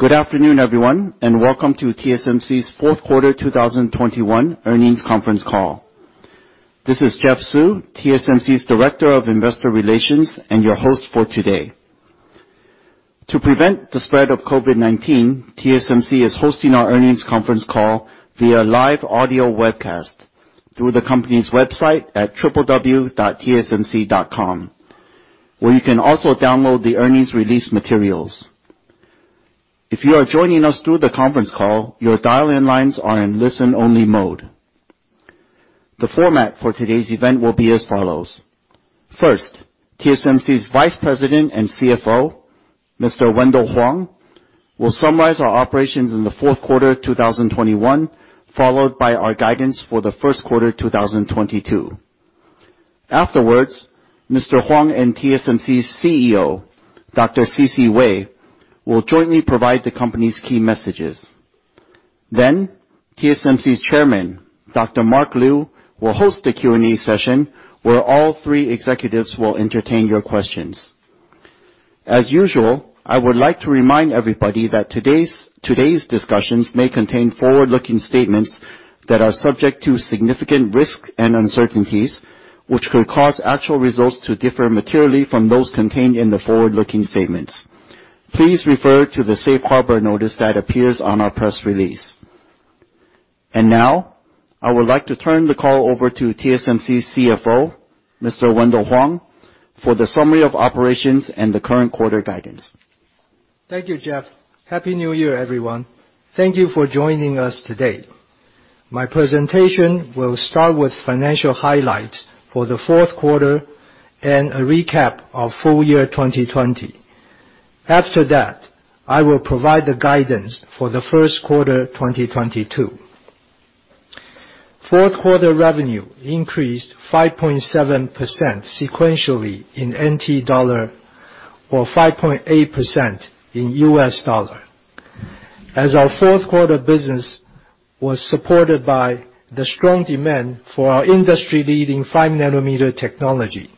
Good afternoon, everyone, and welcome to TSMC's fourth quarter 2021 earnings conference call. This is Jeff Su, TSMC's Director of Investor Relations and your host for today. To prevent the spread of COVID-19, TSMC is hosting our earnings conference call via live audio webcast through the company's website at www.tsmc.com, where you can also download the earnings release materials. If you are joining us through the conference call, your dial-in lines are in listen-only mode. The format for today's event will be as follows. First, TSMC's Vice President and CFO Mr. Wendell Huang will summarize our operations in the fourth quarter 2021, followed by our guidance for the first quarter 2022. Afterwards, Mr. Huang and TSMC's CEO, Dr. C.C. Wei, will jointly provide the company's key messages. Then TSMC's Chairman, Dr. Mark Liu, will host the Q&A session, where all three executives will entertain your questions. As usual, I would like to remind everybody that today's discussions may contain forward-looking statements that are subject to significant risks and uncertainties, which could cause actual results to differ materially from those contained in the forward-looking statements. Please refer to the safe harbor notice that appears on our press release. Now, I would like to turn the call over to TSMC's CFO, Mr. Wendell Huang, for the summary of operations and the current quarter guidance. Thank you, Jeff. Happy New Year, everyone. Thank you for joining us today. My presentation will start with financial highlights for the fourth quarter and a recap of full year 2020. After that, I will provide the guidance for the first quarter 2022. Fourth quarter revenue increased 5.7% sequentially in NT dollar or 5.8% in US dollar. As our fourth quarter business was supported by the strong demand for our industry-leading five-nanometer technology.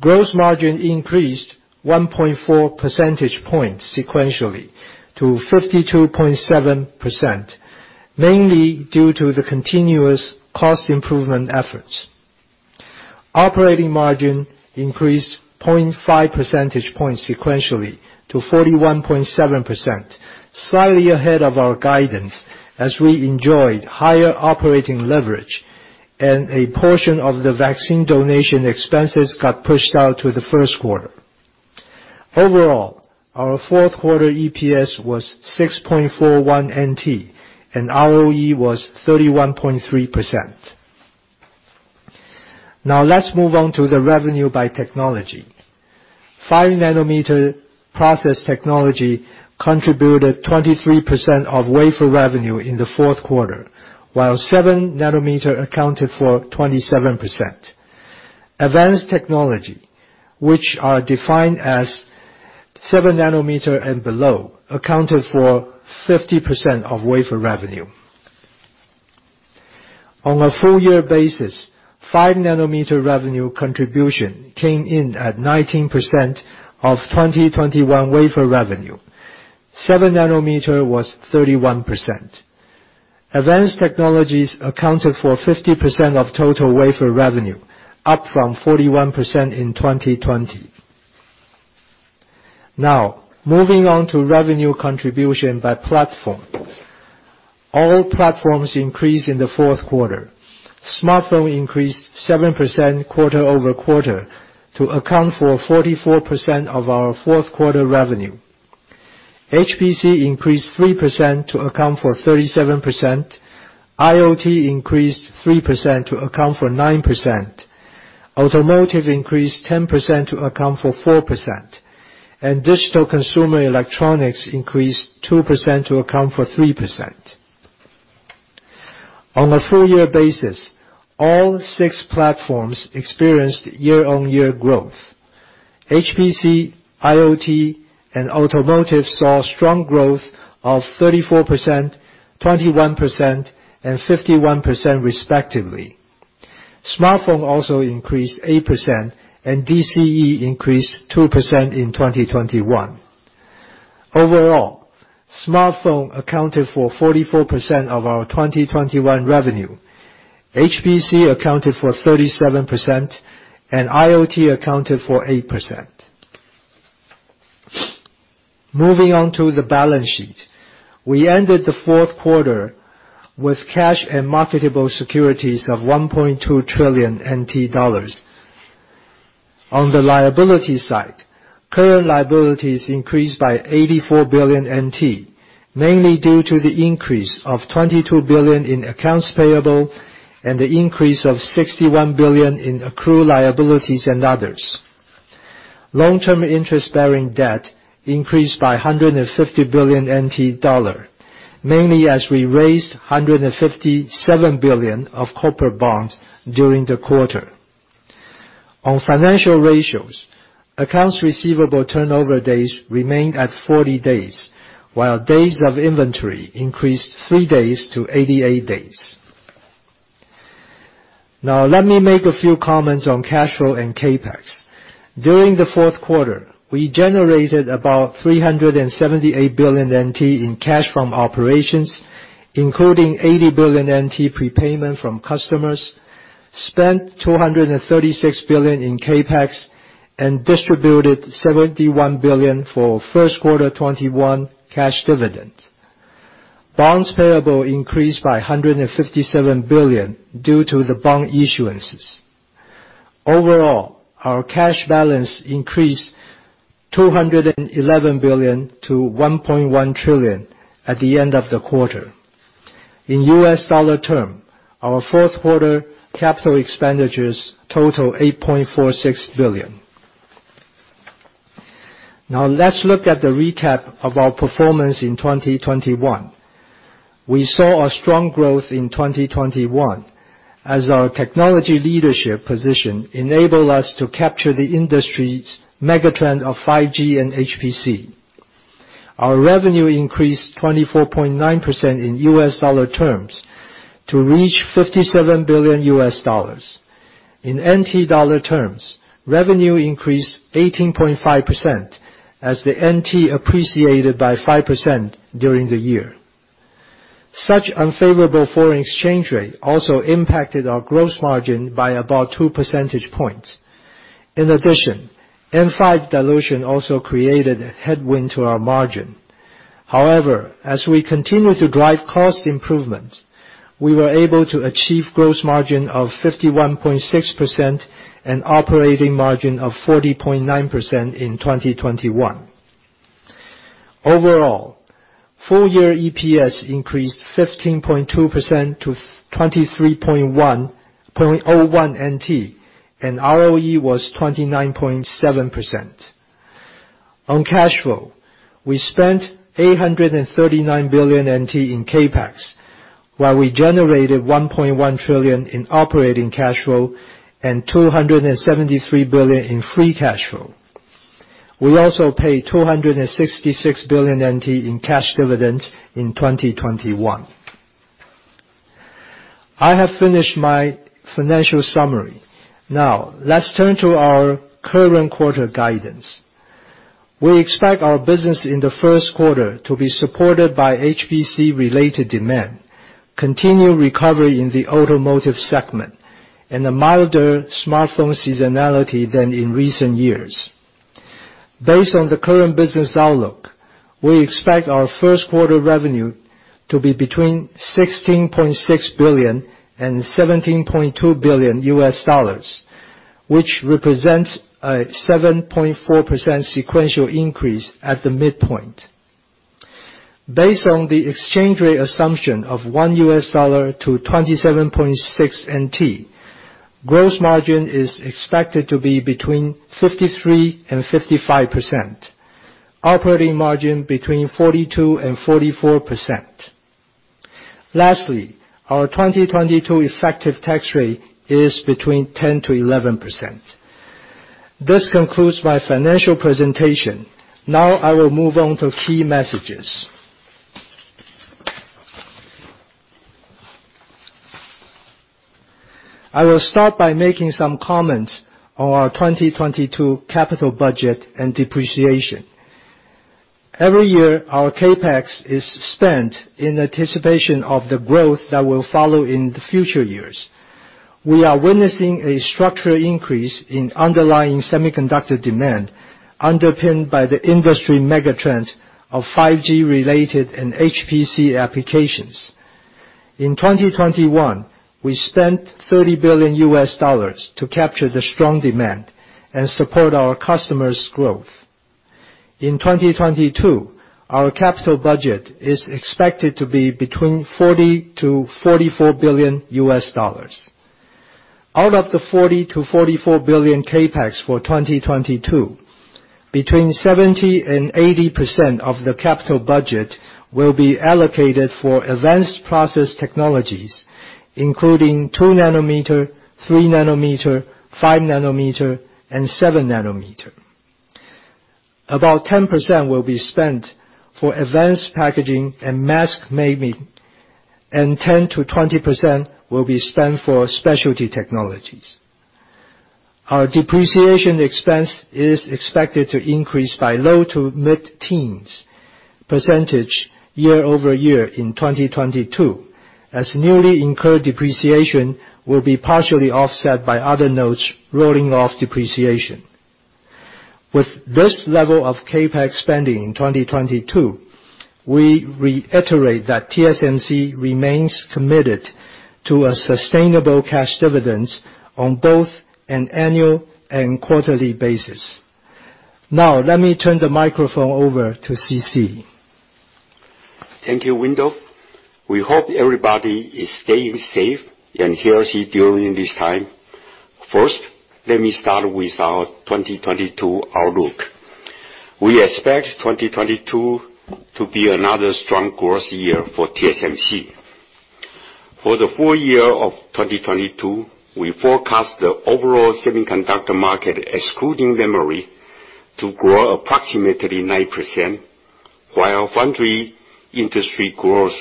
Gross margin increased 1.4 percentage points sequentially to 52.7%, mainly due to the continuous cost improvement efforts. Operating margin increased 0.5 percentage points sequentially to 41.7%, slightly ahead of our guidance as we enjoyed higher operating leverage, and a portion of the vaccine donation expenses got pushed out to the first quarter. Overall, our fourth quarter EPS was 6.41 NT and ROE was 31.3%. Now, let's move on to the revenue by technology. Five-nanometer process technology contributed 23% of wafer revenue in the fourth quarter, while seven-nanometer accounted for 27%. Advanced technology, which are defined as seven nanometer and below, accounted for 50% of wafer revenue. On a full year basis, five-nanometer revenue contribution came in at 19% of 2021 wafer revenue. Seven-nanometer was 31%. Advanced technologies accounted for 50% of total wafer revenue, up from 41% in 2020. Now, moving on to revenue contribution by platform. All platforms increased in the fourth quarter. Smartphone increased 7% quarter-over-quarter to account for 44% of our fourth quarter revenue. HPC increased 3% to account for 37%. IoT increased 3% to account for 9%. Automotive increased 10% to account for 4%. And digital consumer electronics increased 2% to account for 3%. On a full year basis, all six platforms experienced year-on-year growth. HPC, IoT and automotive saw strong growth of 34%, 21% and 51% respectively. Smartphone also increased 8% and DCE increased 2% in 2021. Overall, smartphone accounted for 44% of our 2021 revenue, HPC accounted for 37% and IoT accounted for 8%. Moving on to the balance sheet, we ended the fourth quarter with cash and marketable securities of 1.2 trillion NT dollars. On the liability side. Current liabilities increased by 84 billion NT, mainly due to the increase of 22 billion in accounts payable and the increase of 61 billion in accrued liabilities and others. Long-term interest-bearing debt increased by 150 billion NT dollar, mainly as we raised 157 billion of corporate bonds during the quarter. On financial ratios, accounts receivable turnover days remained at 40 days, while days of inventory increased three days to 88 days. Now, let me make a few comments on cash flow and CapEx. During the fourth quarter, we generated about 378 billion NT in cash from operations, including 80 billion NT prepayment from customers, spent 236 billion in CapEx, and distributed 71 billion for first quarter 2021 cash dividends. Bonds payable increased by 157 billion due to the bond issuances. Overall, our cash balance increased 211 billion to 1.1 trillion at the end of the quarter. In U.S. dollar terms, our fourth quarter capital expenditures total $8.46 billion. Now, let's look at the recap of our performance in 2021. We saw a strong growth in 2021 as our technology leadership position enabled us to capture the industry's megatrend of 5G and HPC. Our revenue increased 24.9% in U.S. dollar terms to reach $57 billion. In NT dollar terms, revenue increased 18.5% as the NT appreciated by 5% during the year. Such unfavorable foreign exchange rate also impacted our gross margin by about 2 percentage points. In addition, N5 dilution also created a headwind to our margin. However, as we continue to drive cost improvements, we were able to achieve gross margin of 51.6% and operating margin of 40.9% in 2021. Overall, full year EPS increased 15.2% to 23.10 NT, and ROE was 29.7%. On cash flow, we spent 839 billion NT in CapEx, while we generated 1.1 trillion in operating cash flow and 273 billion in free cash flow. We also paid 266 billion NT in cash dividends in 2021. I have finished my financial summary. Now, let's turn to our current quarter guidance. We expect our business in the first quarter to be supported by HPC-related demand, continued recovery in the automotive segment, and a milder smartphone seasonality than in recent years. Based on the current business outlook, we expect our first quarter revenue to be between $16.6 billion and $17.2 billion, which represents a 7.4% sequential increase at the midpoint. Based on the exchange rate assumption of one US dollar to 27.6 NT, gross margin is expected to be between 53% and 55%, operating margin between 42% and 44%. Lastly, our 2022 effective tax rate is between 10% and 11%. This concludes my financial presentation. Now I will move on to key messages. I will start by making some comments on our 2022 capital budget and depreciation. Every year, our CapEx is spent in anticipation of the growth that will follow in the future years. We are witnessing a structural increase in underlying semiconductor demand underpinned by the industry megatrend of 5G-related and HPC applications. In 2021, we spent $30 billion to capture the strong demand and support our customers' growth. In 2022, our capital budget is expected to be between $40 billion-$44 billion. Out of the $40 billion-$44 billion CapEx for 2022, between 70% and 80% of the capital budget will be allocated for advanced process technologies, including 2-nanometer, 3-nanometer, 5-nanometer, and 7-nanometer. About 10% will be spent for advanced packaging and mask making, and 10%-20% will be spent for specialty technologies. Our depreciation expense is expected to increase by low-to-mid-teens% year-over-year in 2022, as newly incurred depreciation will be partially offset by other nodes rolling off depreciation. With this level of CapEx spending in 2022, we reiterate that TSMC remains committed to a sustainable cash dividends on both an annual and quarterly basis. Now, let me turn the microphone over to C.C. Thank you, Wendell. We hope everybody is staying safe and healthy during this time. First, let me start with our 2022 outlook. We expect 2022 to be another strong growth year for TSMC. For the full year of 2022, we forecast the overall semiconductor market, excluding memory, to grow approximately 9%, while foundry industry growth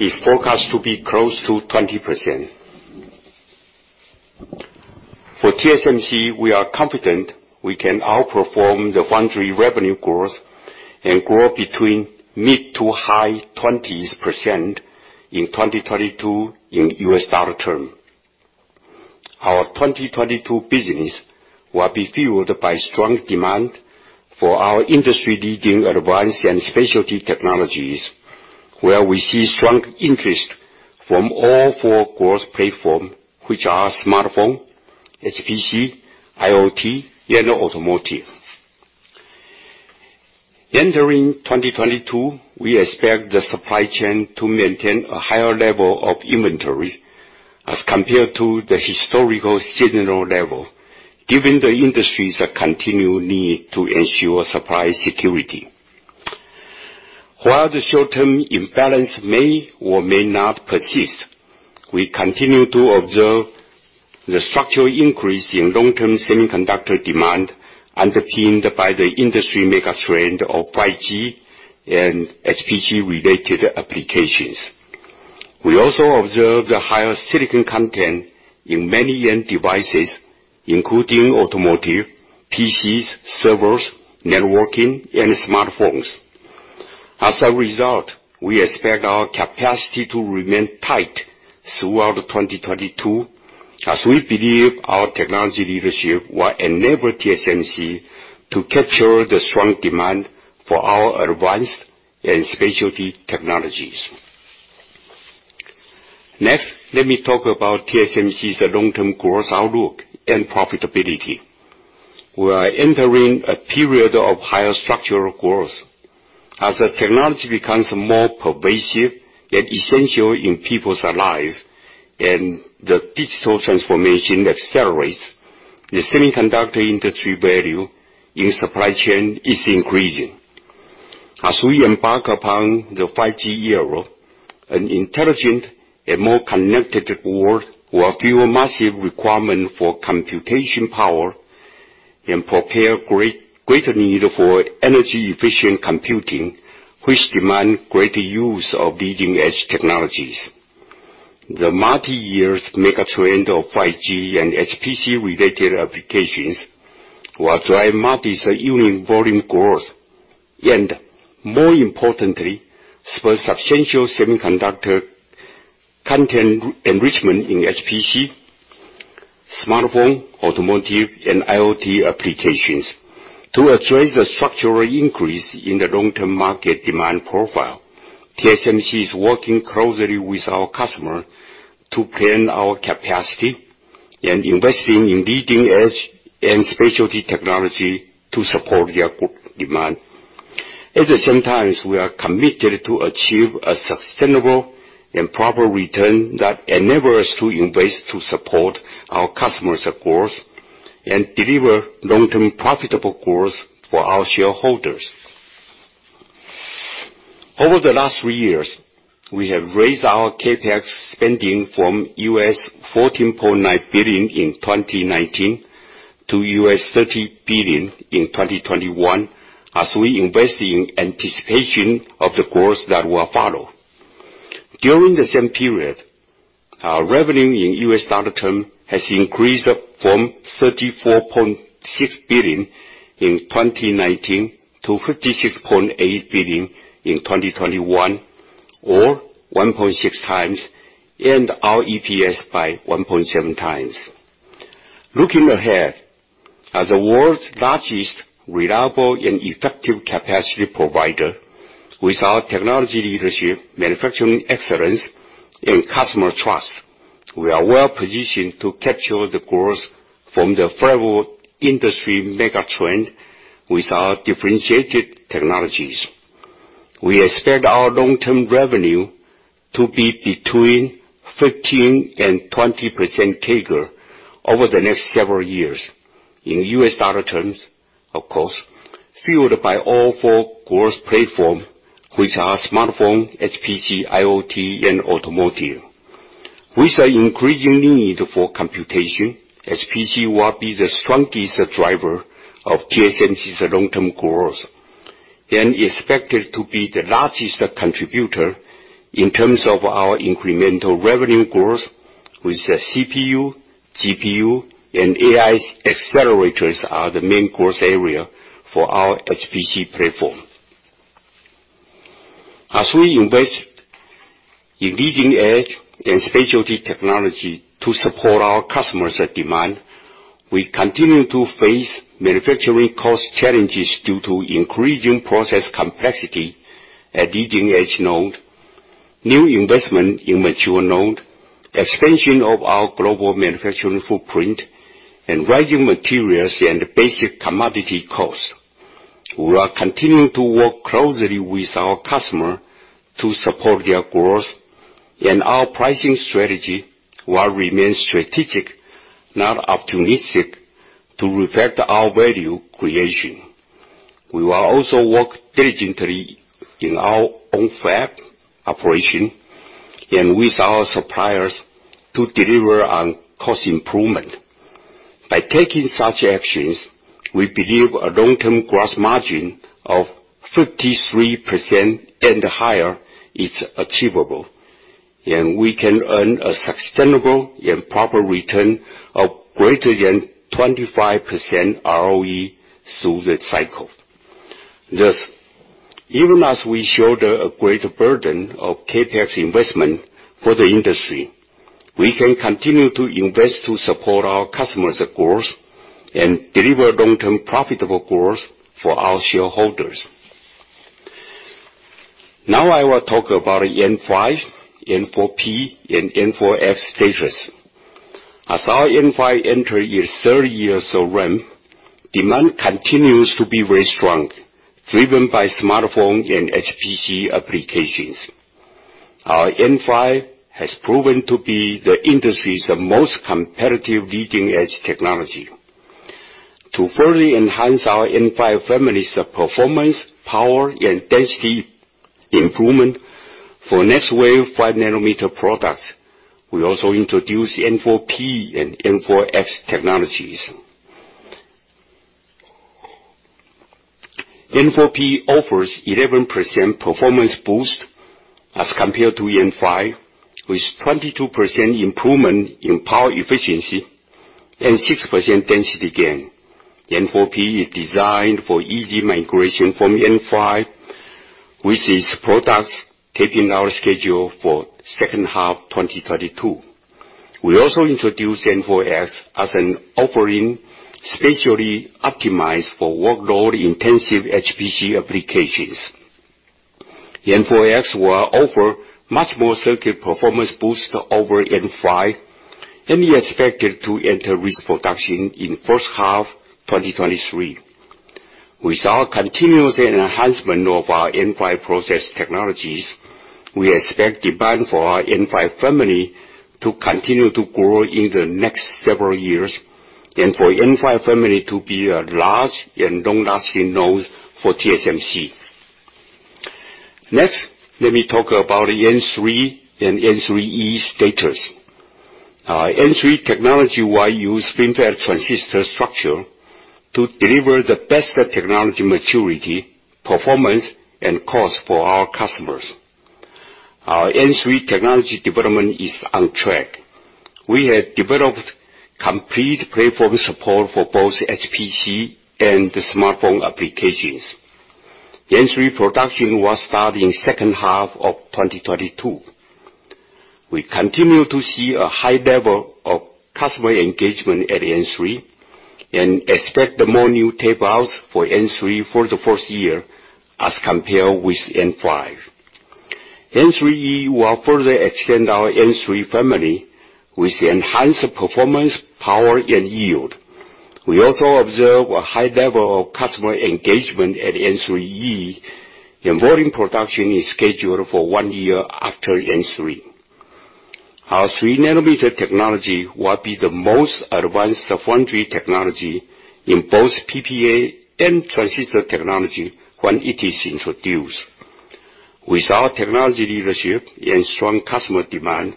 is forecast to be close to 20%. For TSMC, we are confident we can outperform the foundry revenue growth and grow between mid- to high-20s% in 2022 in U.S. dollar terms. Our 2022 business will be fueled by strong demand for our industry-leading advanced and specialty technologies, where we see strong interest from all four growth platforms, which are smartphone, HPC, IoT, and automotive. Entering 2022, we expect the supply chain to maintain a higher level of inventory as compared to the historical seasonal level, given the industry's continued need to ensure supply security. While the short-term imbalance may or may not persist, we continue to observe the structural increase in long-term semiconductor demand underpinned by the industry megatrend of 5G and HPC related applications. We also observe the higher silicon content in many end devices, including automotive, PCs, servers, networking, and smartphones. As a result, we expect our capacity to remain tight throughout 2022, as we believe our technology leadership will enable TSMC to capture the strong demand for our advanced and specialty technologies. Next, let me talk about TSMC's long-term growth outlook and profitability. We are entering a period of higher structural growth. As the technology becomes more pervasive and essential in people's life, and the digital transformation accelerates, the semiconductor industry value in supply chain is increasing. As we embark upon the 5G era, an intelligent and more connected world will fuel massive requirement for computation power and prepare greater need for energy-efficient computing, which demand greater use of leading-edge technologies. The multi-year megatrend of 5G and HPC related applications will drive multi-unit volume growth, and more importantly, substantial semiconductor content enrichment in HPC, smartphone, automotive, and IoT applications. To address the structural increase in the long-term market demand profile, TSMC is working closely with our customer to plan our capacity and investing in leading-edge and specialty technology to support their demand. At the same time, we are committed to achieve a sustainable and proper return that enable us to invest to support our customers' growth and deliver long-term profitable growth for our shareholders. Over the last three years, we have raised our CapEx spending from $14.9 billion in 2019 to $30 billion in 2021, as we invest in anticipation of the growth that will follow. During the same period, our revenue in US dollar term has increased up from $34.6 billion in 2019 to $56.8 billion in 2021, or 1.6 times, and our EPS by 1.7 times. Looking ahead, as the world's largest reliable and effective capacity provider, with our technology leadership, manufacturing excellence, and customer trust, we are well-positioned to capture the growth from the favorable industry megatrend with our differentiated technologies. We expect our long-term revenue to be between 15% and 20% CAGR over the next several years. In U.S. dollar terms, of course, fueled by all four growth platform, which are smartphone, HPC, IoT, and automotive. With the increasing need for computation, HPC will be the strongest driver of TSMC's long-term growth and expected to be the largest contributor in terms of our incremental revenue growth, with the CPU, GPU, and AI accelerators are the main growth area for our HPC platform. As we invest in leading-edge and specialty technology to support our customers' demand, we continue to face manufacturing cost challenges due to increasing process complexity at leading-edge node, new investment in mature node, expansion of our global manufacturing footprint, and rising materials and basic commodity costs. We are continuing to work closely with our customer to support their growth, and our pricing strategy will remain strategic, not opportunistic, to reflect our value creation. We will also work diligently in our own fab operation and with our suppliers to deliver on cost improvement. By taking such actions, we believe a long-term gross margin of 53% and higher is achievable, and we can earn a sustainable and proper return of greater than 25% ROE through the cycle. Thus, even as we shoulder a greater burden of CapEx investment for the industry, we can continue to invest to support our customers' growth and deliver long-term profitable growth for our shareholders. Now I will talk about N5, N4P, and N4F status. As our N5 enter its third year of ramp, demand continues to be very strong, driven by smartphone and HPC applications. Our N5 has proven to be the industry's most competitive leading-edge technology. To further enhance our N5 family's performance, power, and density improvement for next-wave five-nanometer products, we also introduce N4P and N4F technologies. N4P offers 11% performance boost as compared to N5, with 22% improvement in power efficiency and 6% density gain. N4P is designed for easy migration from N5, with its products taping our schedule for second half 2022. We also introduce N4X as an offering specially optimized for workload-intensive HPC applications. N4X will offer much more circuit performance boost over N5 and be expected to enter risk production in first half 2023. With our continuous enhancement of our N5 process technologies, we expect demand for our N5 family to continue to grow in the next several years, and for N5 family to be a large and long-lasting node for TSMC. Next, let me talk about the N3 and N3E status. Our N3 technology will use FinFET transistor structure to deliver the best technology maturity, performance, and cost for our customers. Our N3 technology development is on track. We have developed complete platform support for both HPC and smartphone applications. N3 production will start in second half of 2022. We continue to see a high level of customer engagement at N3 and expect more new tapeouts for N3 for the first year as compared with N5. N3E will further extend our N3 family with enhanced performance, power, and yield. We also observe a high level of customer engagement at N3E, and volume production is scheduled for one year after N3. Our three-nanometer technology will be the most advanced foundry technology in both PPA and transistor technology when it is introduced. With our technology leadership and strong customer demand,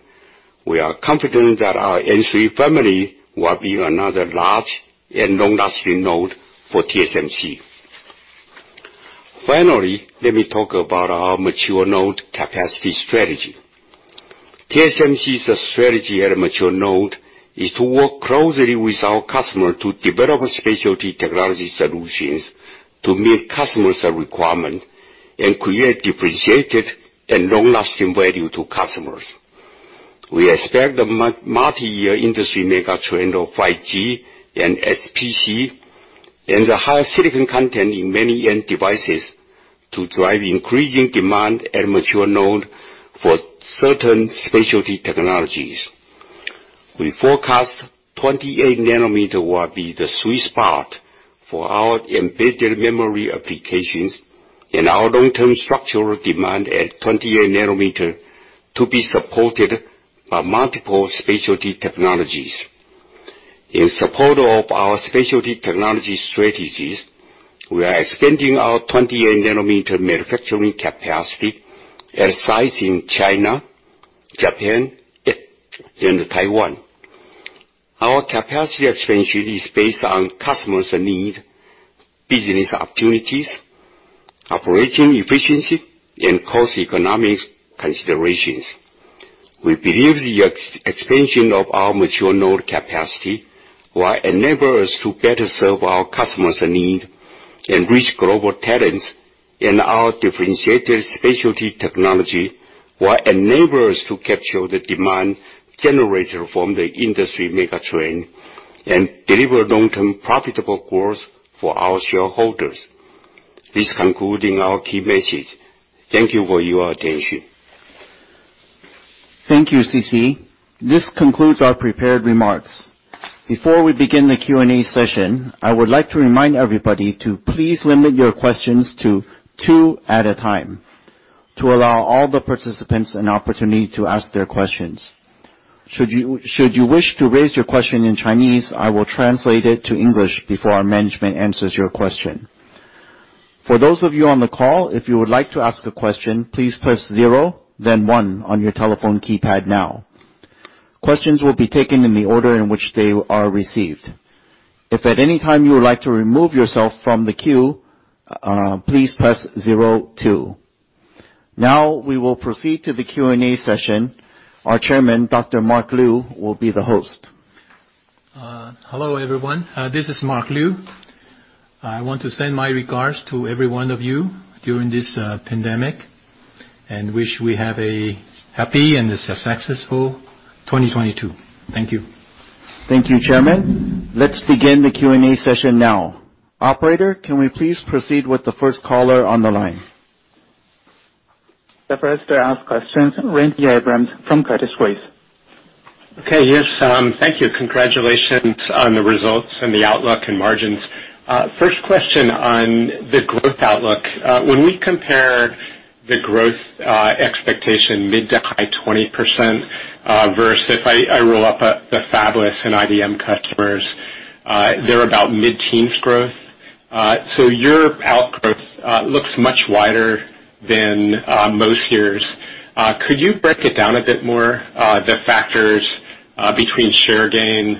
we are confident that our N3 family will be another large and long-lasting node for TSMC. Finally, let me talk about our mature node capacity strategy. TSMC's strategy at a mature node is to work closely with our customer to develop specialty technology solutions to meet customers' requirement and create differentiated and long-lasting value to customers. We expect the multi-year industry megatrend of 5G and HPC and the higher silicon content in many end devices to drive increasing demand at mature node for certain specialty technologies. We forecast 28-nanometer will be the sweet spot for our embedded memory applications and our long-term structural demand at 28-nanometer to be supported by multiple specialty technologies. In support of our specialty technology strategies, we are expanding our 28-nanometer manufacturing capacity at sites in China, Japan, and Taiwan. Our capacity expansion is based on customers' need, business opportunities, operating efficiency, and cost economics considerations. We believe the expansion of our mature node capacity will enable us to better serve our customers' need and reach global talents in our differentiated specialty technology, will enable us to capture the demand generated from the industry megatrend, and deliver long-term profitable growth for our shareholders. This concludes our key message. Thank you for your attention. Thank you, C.C. This concludes our prepared remarks. Before we begin the Q&A session, I would like to remind everybody to please limit your questions to two at a time to allow all the participants an opportunity to ask their questions. Should you wish to raise your question in Chinese, I will translate it to English before our management answers your question. For those of you on the call, if you would like to ask a question, please press zero then one on your telephone keypad now. Questions will be taken in the order in which they are received. If at any time you would like to remove yourself from the queue, please press zero two. Now we will proceed to the Q&A session. Our Chairman, Dr. Mark Liu, will be the host. Hello everyone. This is Mark Liu. I want to send my regards to every one of you during this pandemic, and wish we have a happy and successful 2022. Thank you. Thank you, Chairman. Let's begin the Q&A session now. Operator, can we please proceed with the first caller on the line? The first to ask questions, Randy Abrams from Credit Suisse. Okay, yes, thank you. Congratulations on the results and the outlook and margins. First question on the growth outlook. When we compare the growth expectation mid- to high-20%, versus if I roll up the fabless and IDM customers, they're about mid-teens growth. So your outgrowth looks much wider than most years. Could you break it down a bit more, the factors between share gain,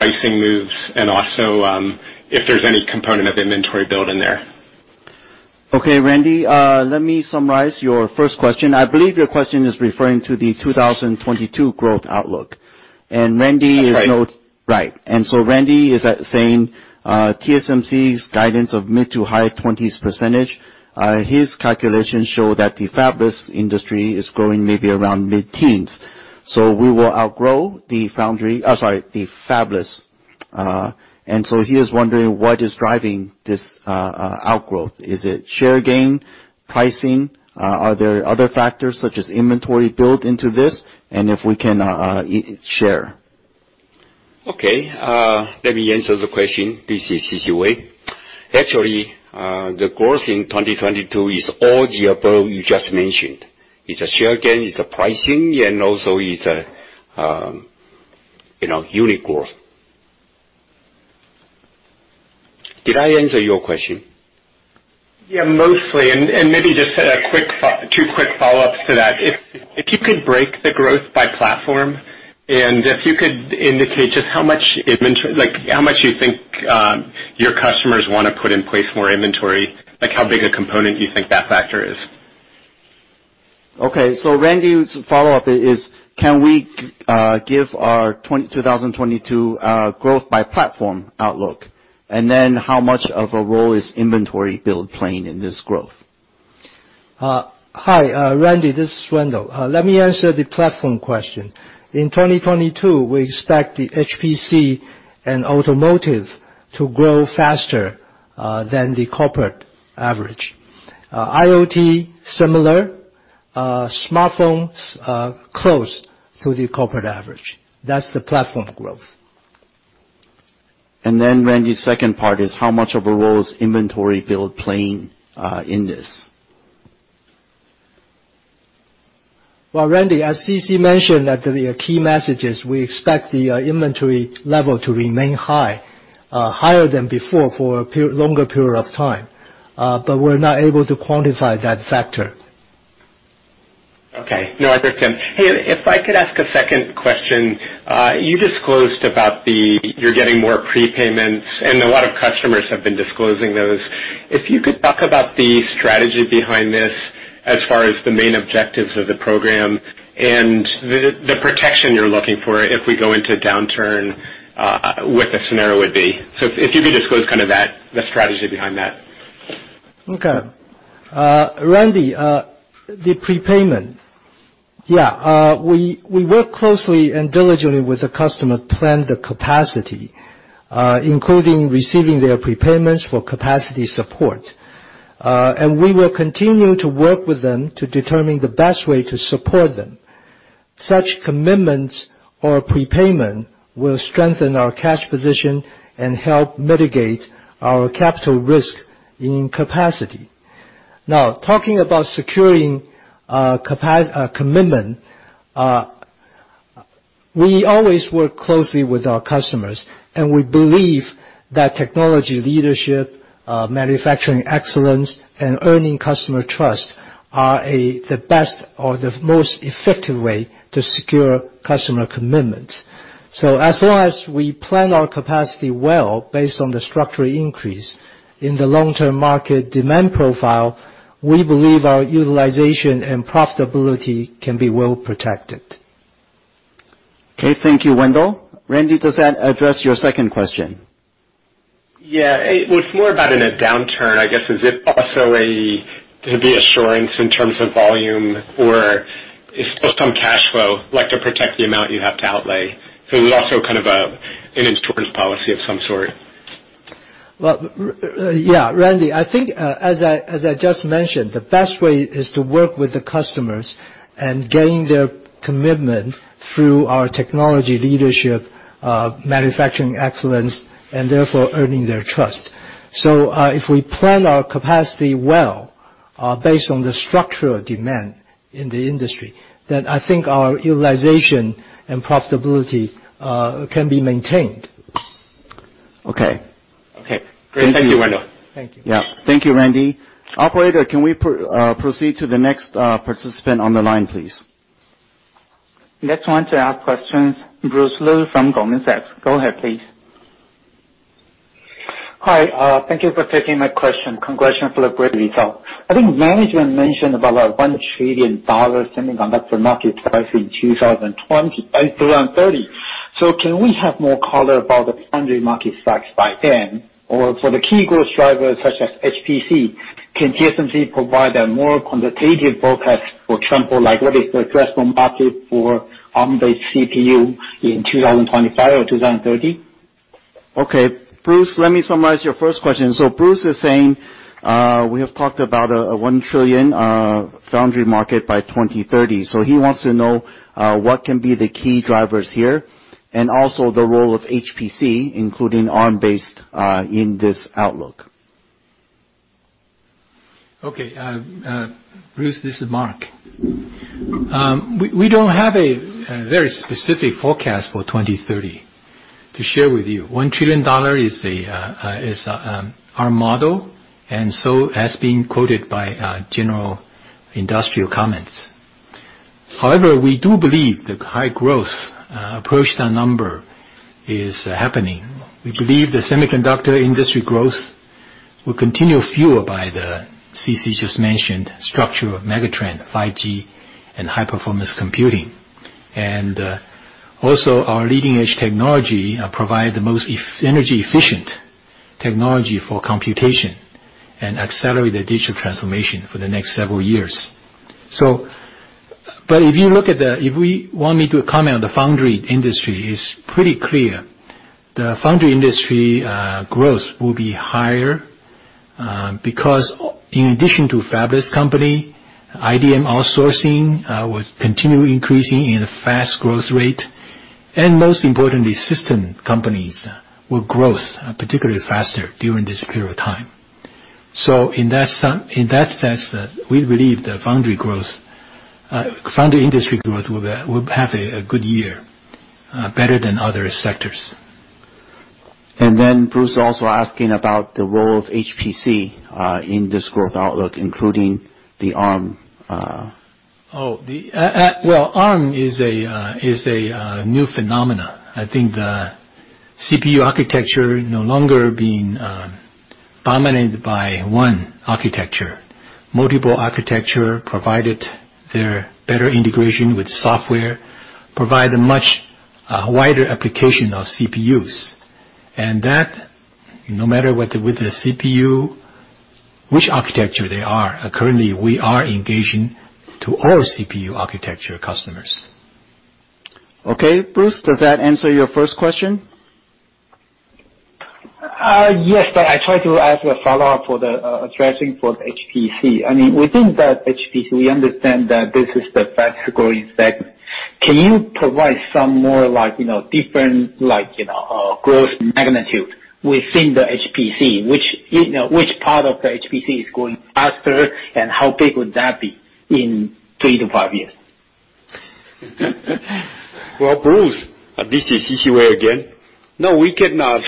pricing moves, and also, if there's any component of inventory build in there? Okay, Randy, let me summarize your first question. I believe your question is referring to the 2022 growth outlook. Right. Right. Randy is saying TSMC's guidance of mid-20s to high-20s%. His calculations show that the fabless industry is growing maybe around mid-teens%. We will outgrow the fabless. He is wondering what is driving this outgrowth. Is it share gain? Pricing? Are there other factors such as inventory built into this, and if we can each share? Okay, let me answer the question. This is C.C. Wei. Actually, the growth in 2022 is all the above you just mentioned. It's a share gain, it's a pricing, and also it's, you know, unit growth. Did I answer your question? Yeah, mostly. Maybe just two quick follow-ups to that. If you could break the growth by platform, and if you could indicate just how much inventory, like how much you think your customers wanna put in place more inventory, like how big a component you think that factor is. Okay. Randy Abrams's follow-up is, can we give our 2022 growth by platform outlook, and then how much of a role is inventory build playing in this growth? Hi, Randy. This is Wendell. Let me answer the platform question. In 2022, we expect the HPC and automotive to grow faster than the corporate average. IoT, similar. Smartphones, close to the corporate average. That's the platform growth. Randy's second part is how much of a role is inventory build playing in this? Well, Randy, as CC mentioned that the key message is we expect the inventory level to remain high, higher than before for a longer period of time. We're not able to quantify that factor. Okay. No, I understand. Hey, if I could ask a second question. You disclosed about the. You're getting more prepayments, and a lot of customers have been disclosing those. If you could talk about the strategy behind this as far as the main objectives of the program and the protection you're looking for if we go into a downturn, what the scenario would be. If you could disclose kind of that, the strategy behind that. Randy, the prepayment. We work closely and diligently with the customer to plan the capacity, including receiving their prepayments for capacity support. We will continue to work with them to determine the best way to support them. Such commitments or prepayment will strengthen our cash position and help mitigate our capital risk in capacity. Now, talking about securing commitment, we always work closely with our customers, and we believe that technology leadership, manufacturing excellence, and earning customer trust are the best or the most effective way to secure customer commitments. As long as we plan our capacity well based on the structural increase in the long-term market demand profile, we believe our utilization and profitability can be well protected. Okay, thank you, Wendell. Randy, does that address your second question? Yeah. It was more about in a downturn, I guess, is it also an assurance in terms of volume or some cash flow, like to protect the amount you have to outlay? Also kind of an insurance policy of some sort. Well, Randy, I think, as I just mentioned, the best way is to work with the customers and gain their commitment through our technology leadership, manufacturing excellence, and therefore earning their trust. If we plan our capacity well, based on the structural demand in the industry, then I think our utilization and profitability can be maintained. Okay. Okay. Great. Thank you, Wendell. Thank you. Yeah. Thank you, Randy. Operator, can we proceed to the next participant on the line, please? Next one to ask questions, Bruce Lu from Goldman Sachs. Go ahead, please. Hi, thank you for taking my question. Congratulations for the great result. I think management mentioned about a $1 trillion semiconductor market size in 2030. Can we have more color about the foundry market size by then? Or for the key growth drivers such as HPC, can TSMC provide a more quantitative forecast, for example, like what is the addressable market for Arm-based CPU in 2025 or 2030? Okay. Bruce Lu, let me summarize your first question. Bruce Lu is saying, we have talked about a 1 trillion foundry market by 2030. He wants to know what can be the key drivers here, and also the role of HPC, including Arm-based, in this outlook. Okay. Bruce Lu, this is Mark Liu. We don't have a very specific forecast for 2030 to share with you. $1 trillion is our model, and so has been quoted by general industry comments. However, we do believe the high growth approach the number is happening. We believe the semiconductor industry growth will continue fueled by the C.C. Wei just mentioned structural megatrend, 5G and high-performance computing. Also our leading-edge technology provide the most energy efficient technology for computation and accelerate the digital transformation for the next several years. But if we want me to comment on the foundry industry, it's pretty clear the foundry industry growth will be higher, because in addition to fabless company, IDM outsourcing will continue increasing in a fast growth rate. Most importantly, system companies will grow particularly faster during this period of time. In that sense, we believe the foundry growth, foundry industry growth will have a good year, better than other sectors. Bruce Lu is also asking about the role of HPC in this growth outlook, including the Arm. Arm is a new phenomenon. I think the CPU architecture no longer being dominated by one architecture. Multiple architecture provided their better integration with software, provide a much wider application of CPUs. That, no matter what the CPU, which architecture they are, currently we are engaging to all CPU architecture customers. Okay. Bruce, does that answer your first question? Yes, I try to ask a follow-up for the addressing for the HPC. I mean, within that HPC, we understand that this is the fastest growing segment. Can you provide some more like, you know, different, like, you know, growth magnitude within the HPC? Which, you know, part of the HPC is growing faster and how big would that be in 3-5 years? Well, Bruce, this is C.C. Wei again. No, we cannot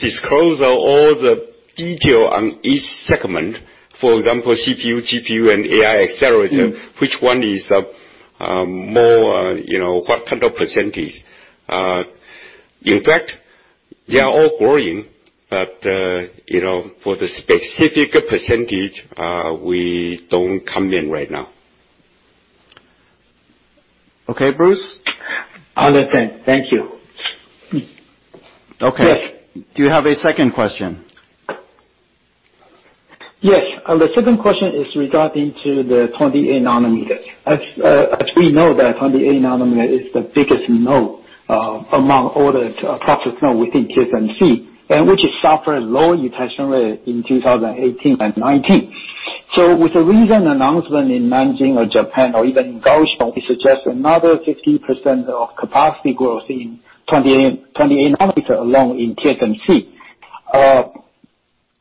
disclose all the detail on each segment. For example, CPU, GPU and AI accelerator, which one is more, you know, what kind of percentage. In fact, they are all growing, but you know, for the specific percentage, we don't comment right now. Okay, Bruce? Understood. Thank you. Okay. Yes. Do you have a second question? Yes. The second question is regarding to the 28 nanometers. As we know that 28-nanometer is the biggest node among all the process node within TSMC, and which has suffered low utilization rate in 2018 and 2019. With the recent announcement in Nanjing or Japan or even in Kaohsiung, we suggest another 50% of capacity growth in 28-nanometer alone in TSMC.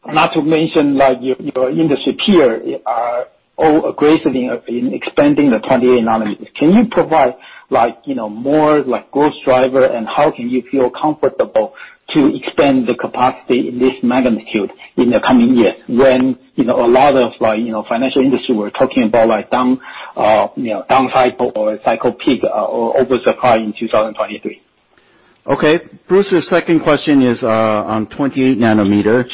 Not to mention like your industry peer are all aggressively in expanding the 28 nanometers. Can you provide like you know more like growth driver and how can you feel comfortable to expand the capacity in this magnitude in the coming years when you know a lot of like you know financial industry were talking about like down you know down cycle or a cycle peak over supply in 2023? Okay. Bruce, the second question is on 28-nanometer.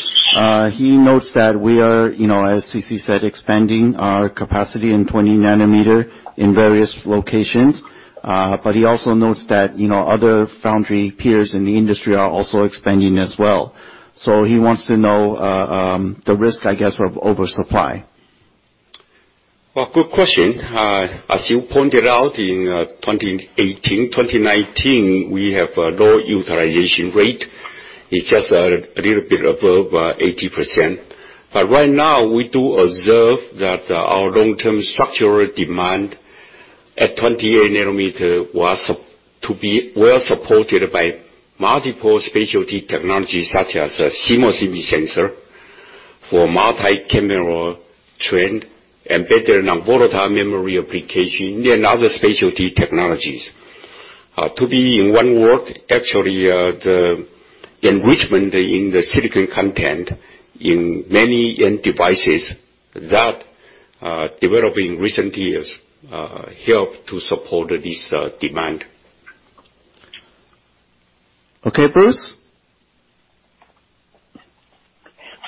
He notes that we are, you know, as C.C. said, expanding our capacity in 20-nanometer in various locations. But he also notes that, you know, other foundry peers in the industry are also expanding as well. He wants to know the risks, I guess, of oversupply. Well, good question. As you pointed out in 2018, 2019, we have a low utilization rate. It's just a little bit above 80%. Right now, we do observe that our long-term structural demand at 28-nanometer was to be well supported by multiple specialty technologies such as a CMOS image sensor for multi-camera trend and better non-volatile memory application and other specialty technologies. To be in one word, actually, the enrichment in the silicon content in many end devices that developed in recent years helped to support this demand. Okay, Bruce.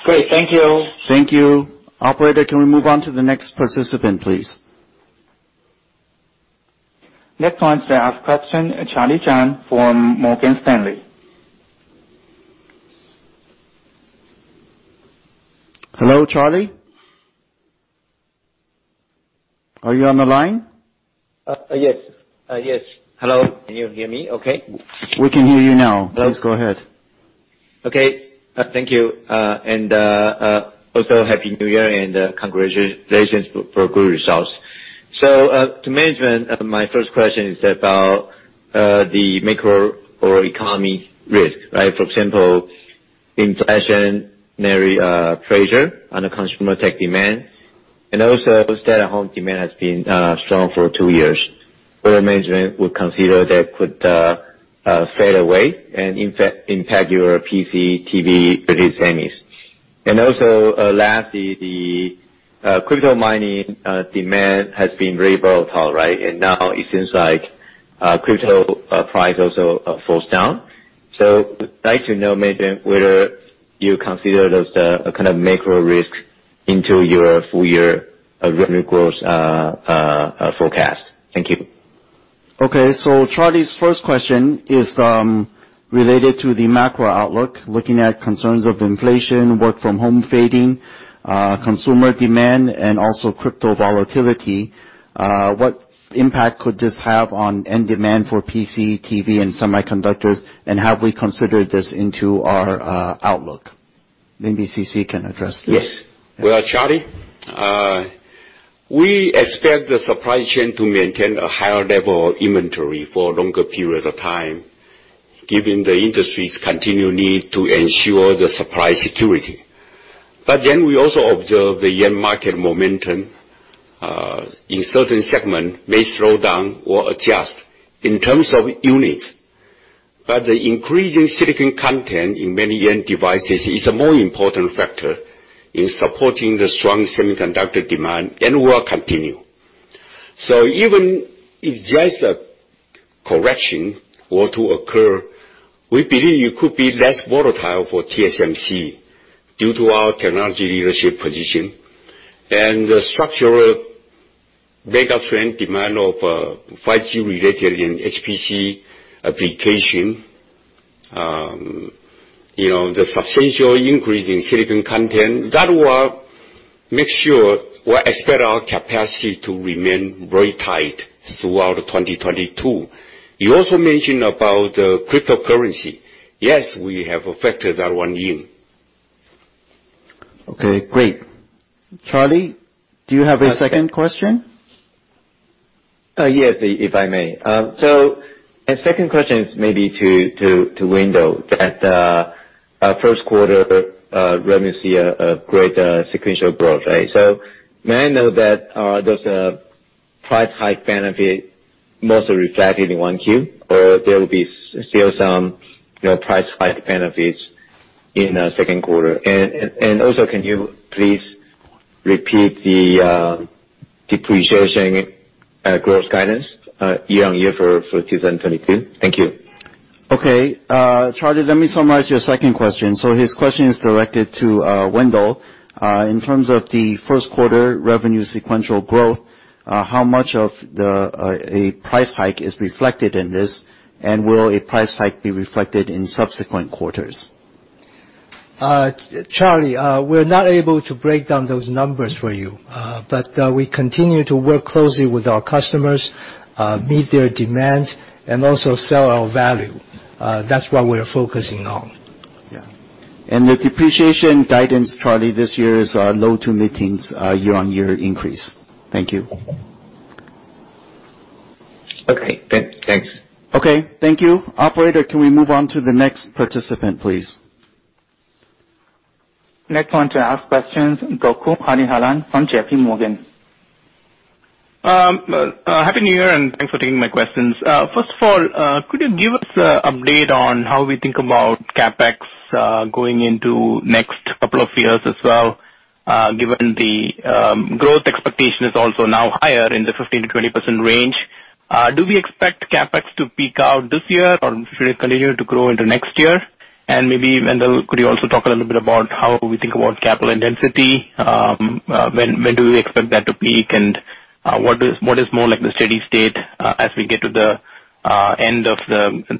Great. Thank you. Thank you. Operator, can we move on to the next participant, please? Next one to ask question, Charlie Chan from Morgan Stanley. Hello, Charlie. Are you on the line? Yes. Hello, can you hear me okay? We can hear you now. Hello? Please go ahead. Thank you. Happy New Year and congratulations for good results. To management, my first question is about the macroeconomic risk, right? For example, inflationary pressure on the consumer tech demand, and also stay-at-home demand has been strong for two years, how management would consider that could fade away and impact your PC, TV release timings. Lastly, the crypto mining demand has been very volatile, right? Now it seems like crypto price also falls down. I'd like to know, management, whether you consider those kind of macro risks into your full year revenue growth forecast. Thank you. Okay. Charlie's first question is related to the macro outlook, looking at concerns of inflation, work from home fading, consumer demand, and also crypto volatility. What impact could this have on end demand for PC, TV, and semiconductors, and have we considered this into our outlook? Maybe CC can address this. Yes. Well, Charlie, we expect the supply chain to maintain a higher level of inventory for a longer period of time, given the industry's continued need to ensure the supply security. We also observe the end market momentum in certain segment may slow down or adjust in terms of units. The increasing silicon content in many end devices is a more important factor in supporting the strong semiconductor demand and will continue. Even if just a correction were to occur, we believe it could be less volatile for TSMC due to our technology leadership position. The structural mega trend demand of 5G related in HPC application, you know, the substantial increase in silicon content, that will make sure we expect our capacity to remain very tight throughout 2022. You also mentioned about cryptocurrency. Yes, we have factored that one in. Okay, great. Charlie, do you have a second question? Yes, if I may. Second question is maybe to Wendell, that first quarter revenue sees a great sequential growth, right? May I know that those price hike benefits mostly reflected in 1Q or there will be still some, you know, price hike benefits in second quarter? Also, can you please repeat the depreciation growth guidance year-on-year for 2022? Thank you. Okay. Charlie, let me summarize your second question. His question is directed to Wendell. In terms of the first quarter revenue sequential growth, how much of a price hike is reflected in this? And will a price hike be reflected in subsequent quarters? Charlie, we're not able to break down those numbers for you. We continue to work closely with our customers, meet their demand, and also sell our value. That's what we're focusing on. Yeah. The depreciation guidance, Charlie, this year is low to mid-teens year-on-year increase. Thank you. Okay. Great. Thanks. Okay. Thank you. Operator, can we move on to the next participant, please? Next one to ask questions, Gokul Hariharan from J.P. Morgan. Happy New Year, and thanks for taking my questions. First of all, could you give us an update on how we think about CapEx going into the next couple of years as well? Given the growth expectation is also now higher in the 15%-20% range, do we expect CapEx to peak out this year or should it continue to grow into next year? Maybe, Wendell, could you also talk a little bit about how we think about capital intensity? When do we expect that to peak, and what is more like the steady state as we get to the end of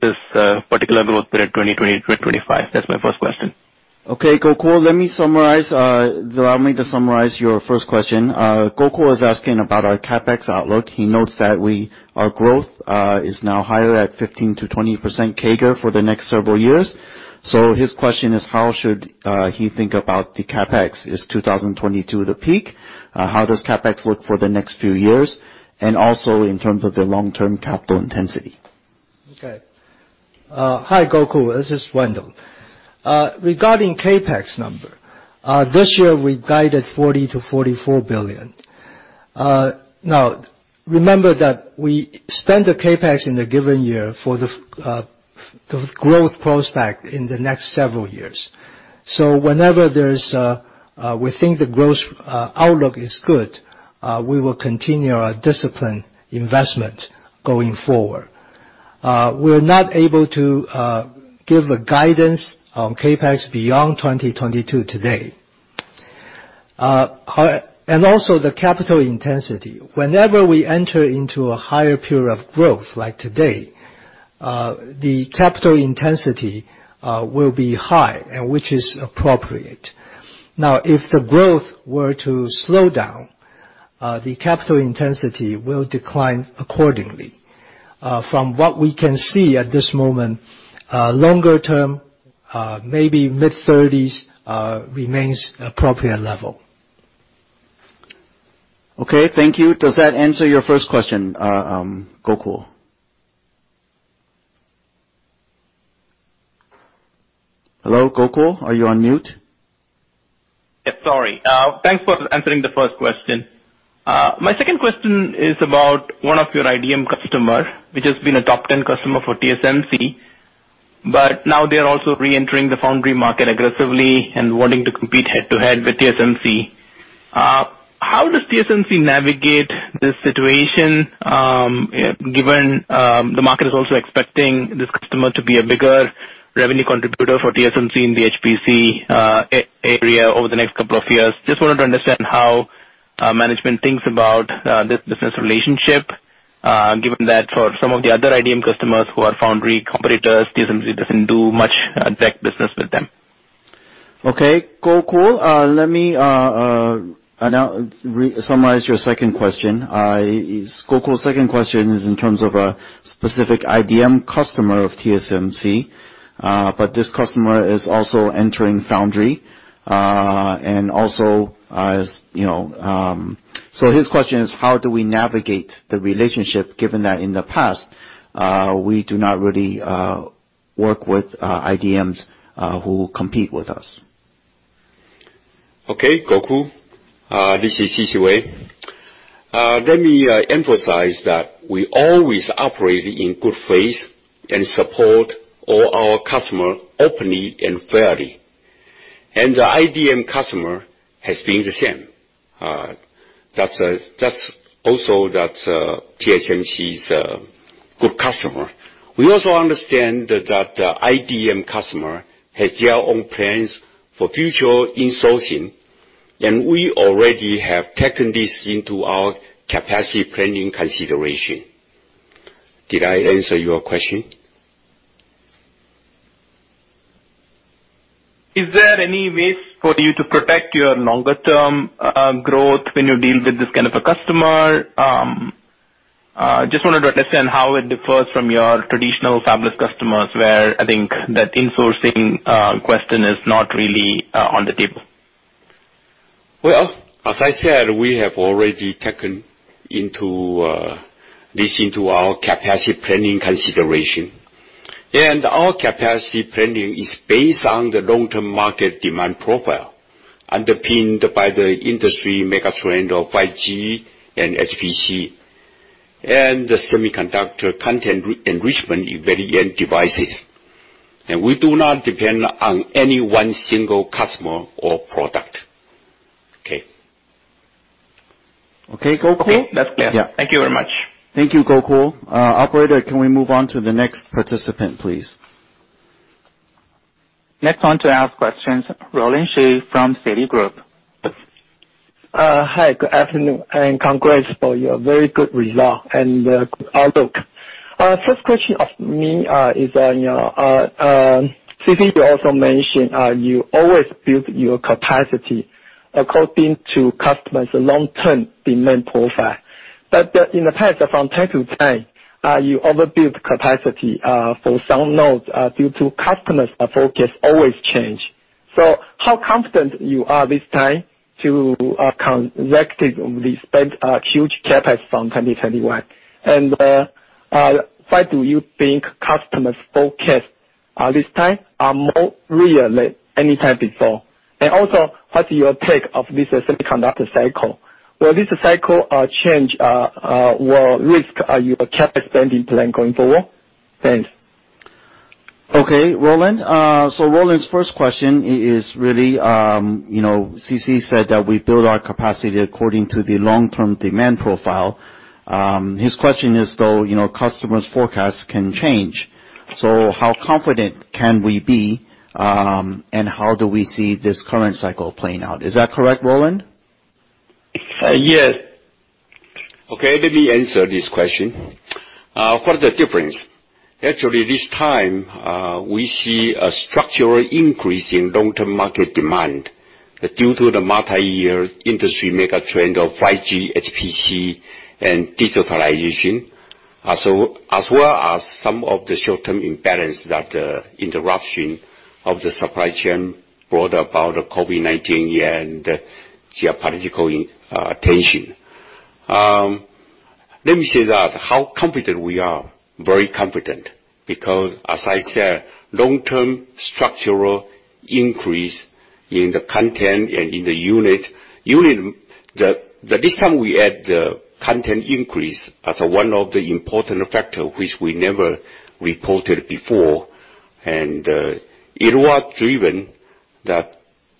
this particular growth period, 2020 through 2025? That's my first question. Okay, Gokul. Let me summarize. Allow me to summarize your first question. Gokul was asking about our CapEx outlook. He notes that our growth is now higher at 15%-20% CAGR for the next several years. His question is, how should he think about the CapEx? Is 2022 the peak? How does CapEx look for the next few years, and also in terms of the long-term capital intensity? Okay. Hi, Gokul. This is Wendell. Regarding CapEx number, this year, we guided 40 billion-44 billion. Now, remember that we spend the CapEx in a given year for the growth prospect in the next several years. Whenever we think the growth outlook is good, we will continue our disciplined investment going forward. We're not able to give a guidance on CapEx beyond 2022 today. Also the capital intensity. Whenever we enter into a higher period of growth like today, the capital intensity will be high, which is appropriate. Now, if the growth were to slow down, the capital intensity will decline accordingly. From what we can see at this moment, longer term, maybe mid-30s remains appropriate level. Okay. Thank you. Does that answer your first question, Gokul? Hello, Gokul, are you on mute? Yeah, sorry. Thanks for answering the first question. My second question is about one of your IDM customer, which has been a top ten customer for TSMC, but now they are also reentering the foundry market aggressively and wanting to compete head-to-head with TSMC. How does TSMC navigate this situation, given the market is also expecting this customer to be a bigger revenue contributor for TSMC in the HPC area over the next couple of years? Just wanted to understand how management thinks about this business relationship, given that for some of the other IDM customers who are foundry competitors, TSMC doesn't do much direct business with them. Okay. Gokul, let me summarize your second question. Gokul's second question is in terms of a specific IDM customer of TSMC, but this customer is also entering foundry. You know, his question is how do we navigate the relationship given that in the past, we do not really work with IDMs who compete with us? Okay, Gokul, this is C.C. Wei. Let me emphasize that we always operate in good faith and support all our customer openly and fairly. The IDM customer has been the same. That's also TSMC's good customer. We also understand that IDM customer has their own plans for future insourcing, and we already have taken this into our capacity planning consideration. Did I answer your question? Is there any ways for you to protect your longer-term growth when you deal with this kind of a customer? Just wanted to understand how it differs from your traditional fabless customers where I think that insourcing question is not really on the table. Well, as I said, we have already taken this into our capacity planning consideration. Our capacity planning is based on the long-term market demand profile, underpinned by the industry megatrend of 5G and HPC, and the semiconductor content re-enrichment in various end devices. We do not depend on any one single customer or product. Okay. Okay, Gokul. Okay, that's clear. Yeah. Thank you very much. Thank you, Gokul. Operator, can we move on to the next participant, please? Next one to ask questions, Roland Shu from Citigroup. Hi, good afternoon, and congrats for your very good result and outlook. First question from me is on your C.C. You also mentioned you always build your capacity according to customers' long-term demand profile. In the past, from time to time, you overbuild capacity for some nodes due to customers' focus always change. How confident you are this time to collectively spend a huge CapEx from 2021? And why do you think customers' focus at this time are more real than any time before? And also, what's your take of this semiconductor cycle? Will this cycle change or will it risk your CapEx spending plan going forward? Thanks. Okay, Roland. So Roland's first question is really, you know, C.C. said that we build our capacity according to the long-term demand profile. His question is though, you know, customers' forecasts can change, so how confident can we be, and how do we see this current cycle playing out? Is that correct, Roland? Yes. Okay. Let me answer this question. What is the difference? Actually, this time, we see a structural increase in long-term market demand due to the multi-year industry mega trend of 5G, HPC, and digitalization. As well as some of the short-term imbalance that interruption of the supply chain brought about by COVID-19, and geopolitical tension. Let me say that, how confident we are. Very confident because as I said, long-term structural increase in the content and in the unit. The discount we had, the content increase as one of the important factor which we never reported before, and it was driven that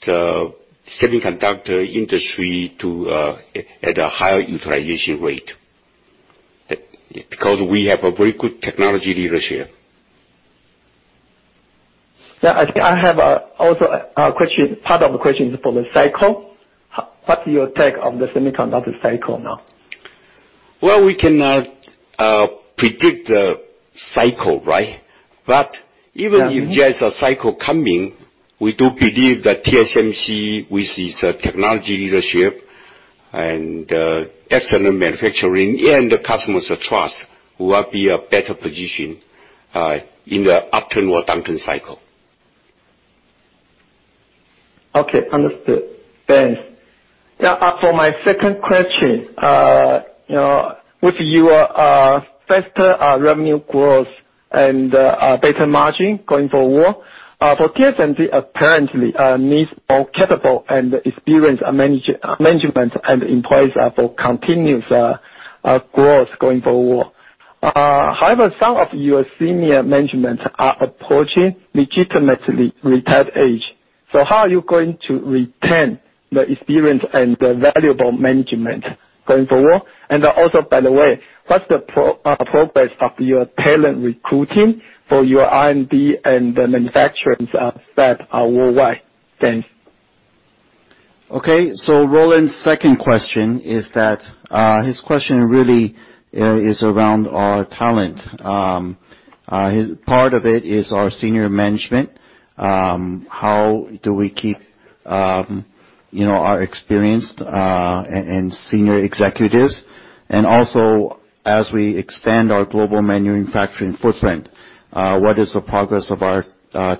the semiconductor industry to at a higher utilization rate. Because we have a very good technology leadership. Yeah. I have also a question, part of the question is for the cycle. What's your take on the semiconductor cycle now? Well, we cannot predict the cycle, right? Even if there is a cycle coming, we do believe that TSMC with its technology leadership and excellent manufacturing and the customers' trust will be a better position in the upturn or downturn cycle. Okay. Understood. Thanks. Yeah, for my second question, you know, with your faster revenue growth and better margin going forward, for TSMC apparently needs more capable and experienced management and employees for continuous growth going forward. However, some of your senior management are approaching legal retirement age, so how are you going to retain the experience and the valuable management going forward? Also, by the way, what's the progress of your talent recruiting for your R&D and the manufacturing staff worldwide? Thanks. Okay. Roland's second question is that his question really is around our talent. Part of it is our senior management. How do we keep you know our experienced and senior executives. Also, as we expand our global manufacturing footprint, what is the progress of our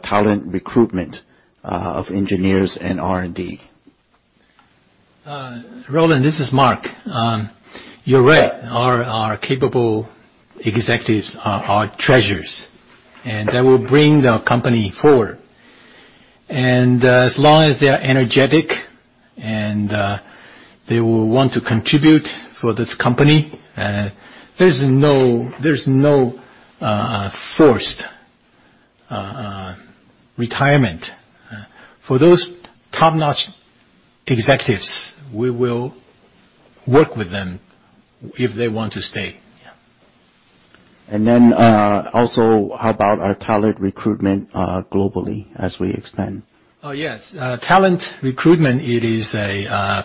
talent recruitment of engineers and R&D? Roland, this is Mark. You're right. Our capable executives are our treasures, and they will bring the company forward. As long as they're energetic and they will want to contribute for this company, there's no forced retirement. For those top-notch executives, we will work with them if they want to stay. Yeah. Also how about our talent recruitment, globally as we expand? Yes. Talent recruitment, it is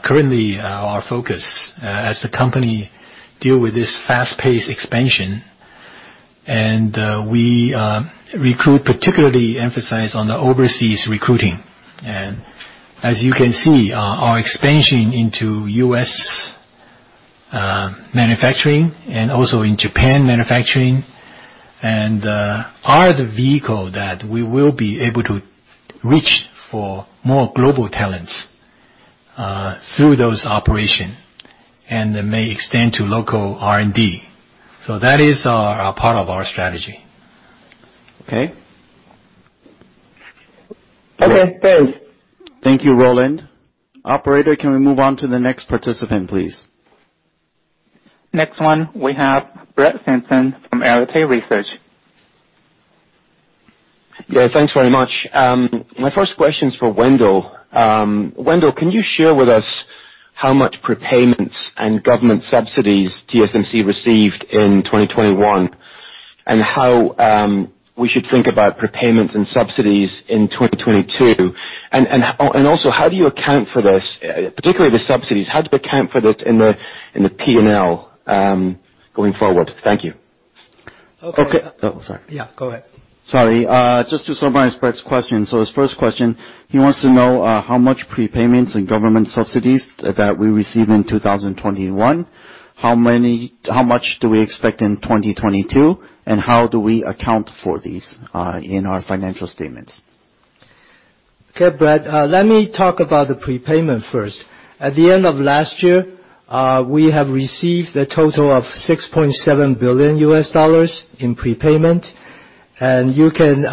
currently our focus, as the company deals with this fast-paced expansion. We particularly emphasize on the overseas recruiting. As you can see, our expansion into U.S. manufacturing and also in Japan manufacturing and are the vehicle that we will be able to reach for more global talents through those operations, and they may extend to local R&D. That is a part of our strategy. Okay. Okay. Thanks. Thank you, Roland. Operator, can we move on to the next participant, please? Next one, we have Brett Simpson from Arete Research. Yeah. Thanks very much. My first question is for Wendell. Wendell, can you share with us how much prepayments and government subsidies TSMC received in 2021, and how we should think about prepayments and subsidies in 2022? Also, how do you account for this, particularly the subsidies, how do you account for this in the P&L going forward? Thank you. Okay. Okay. Oh, sorry. Yeah, go ahead. Sorry. Just to summarize Brett's question. His first question, he wants to know how much prepayments and government subsidies that we received in 2021, how much do we expect in 2022, and how do we account for these in our financial statements? Okay. Brett, let me talk about the prepayment first. At the end of last year, we have received a total of $6.7 billion in prepayment, and you can,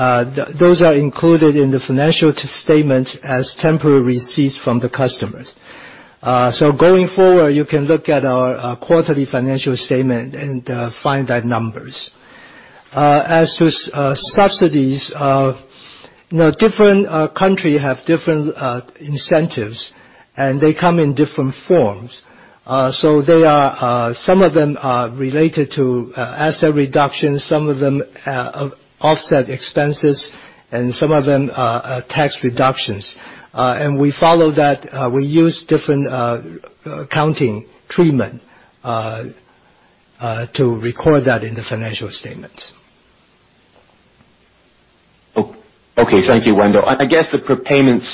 those are included in the financial statement as temporary receipts from the customers. Going forward, you can look at our quarterly financial statement and find those numbers. As to subsidies, you know, different countries have different incentives, and they come in different forms. Some of them are related to asset reduction, some of them offset expenses, and some of them are tax reductions. We follow that. We use different accounting treatment to record that in the financial statements. Okay. Thank you, Wendell. I guess the prepayments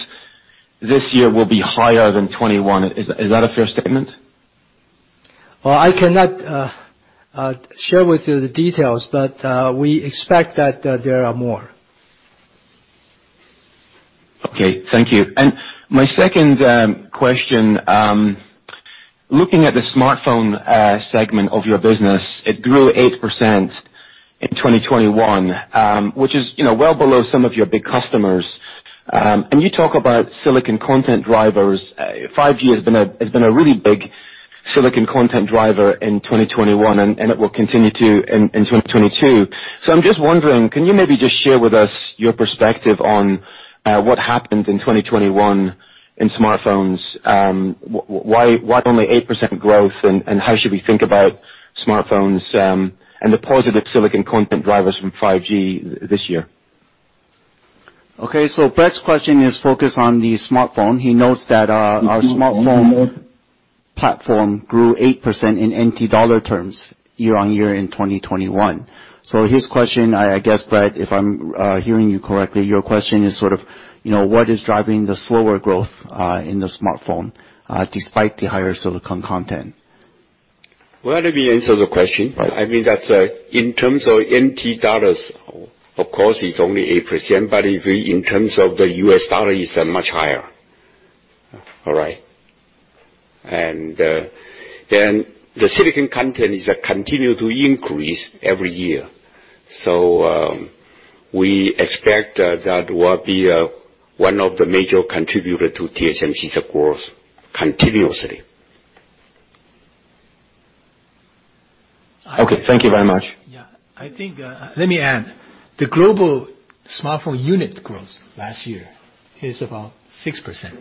this year will be higher than 21. Is that a fair statement? Well, I cannot share with you the details, but we expect that there are more. Okay. Thank you. My second question, looking at the smartphone segment of your business, it grew 8% in 2021, which is, you know, well below some of your big customers. You talk about silicon content drivers. 5G has been a really big silicon content driver in 2021, and it will continue to in 2022. So I'm just wondering, can you maybe just share with us your perspective on what happened in 2021 in smartphones? Why only 8% growth and how should we think about smartphones and the positive silicon content drivers from 5G this year? Okay. Brett's question is focused on the smartphone. He notes that our smartphone platform grew 8% in NT dollar terms year-over-year in 2021. His question, I guess, Brett, if I'm hearing you correctly, your question is sort of, you know, what is driving the slower growth in the smartphone despite the higher silicon content? Well, let me answer the question. Right. I mean, that's in terms of NT dollars, of course it's only 8%, but in terms of the US dollar, it's much higher. All right? Then the silicon content continues to increase every year. We expect that will be one of the major contributors to TSMC's growth continuously. Okay, thank you very much. Yeah. I think, let me add, the global smartphone unit growth last year is about 6%.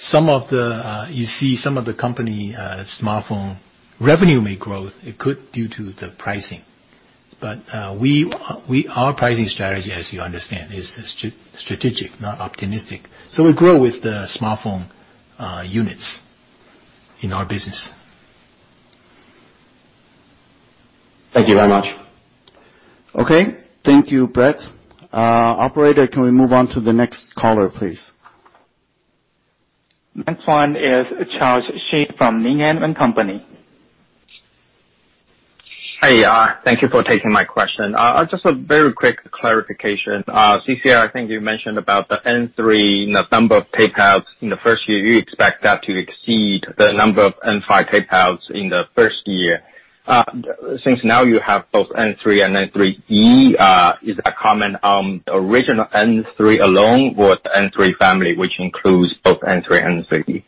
You see some of the companies' smartphone revenue may grow. It could be due to the pricing. Our pricing strategy, as you understand, is strategic, not opportunistic. We grow with the smartphone units in our business. Thank you very much. Okay. Thank you, Brett. Operator, can we move on to the next caller, please? Next one is Charles Shi from Needham & Company. Hey, thank you for taking my question. Just a very quick clarification. C.C. Wei, I think you mentioned about the N3, the number of tape-outs in the first year. You expect that to exceed the number of N5 tape-outs in the first year. Since now you have both N3 and N3E, is a comment on original N3 alone or N3 family, which includes both N3 and N3E?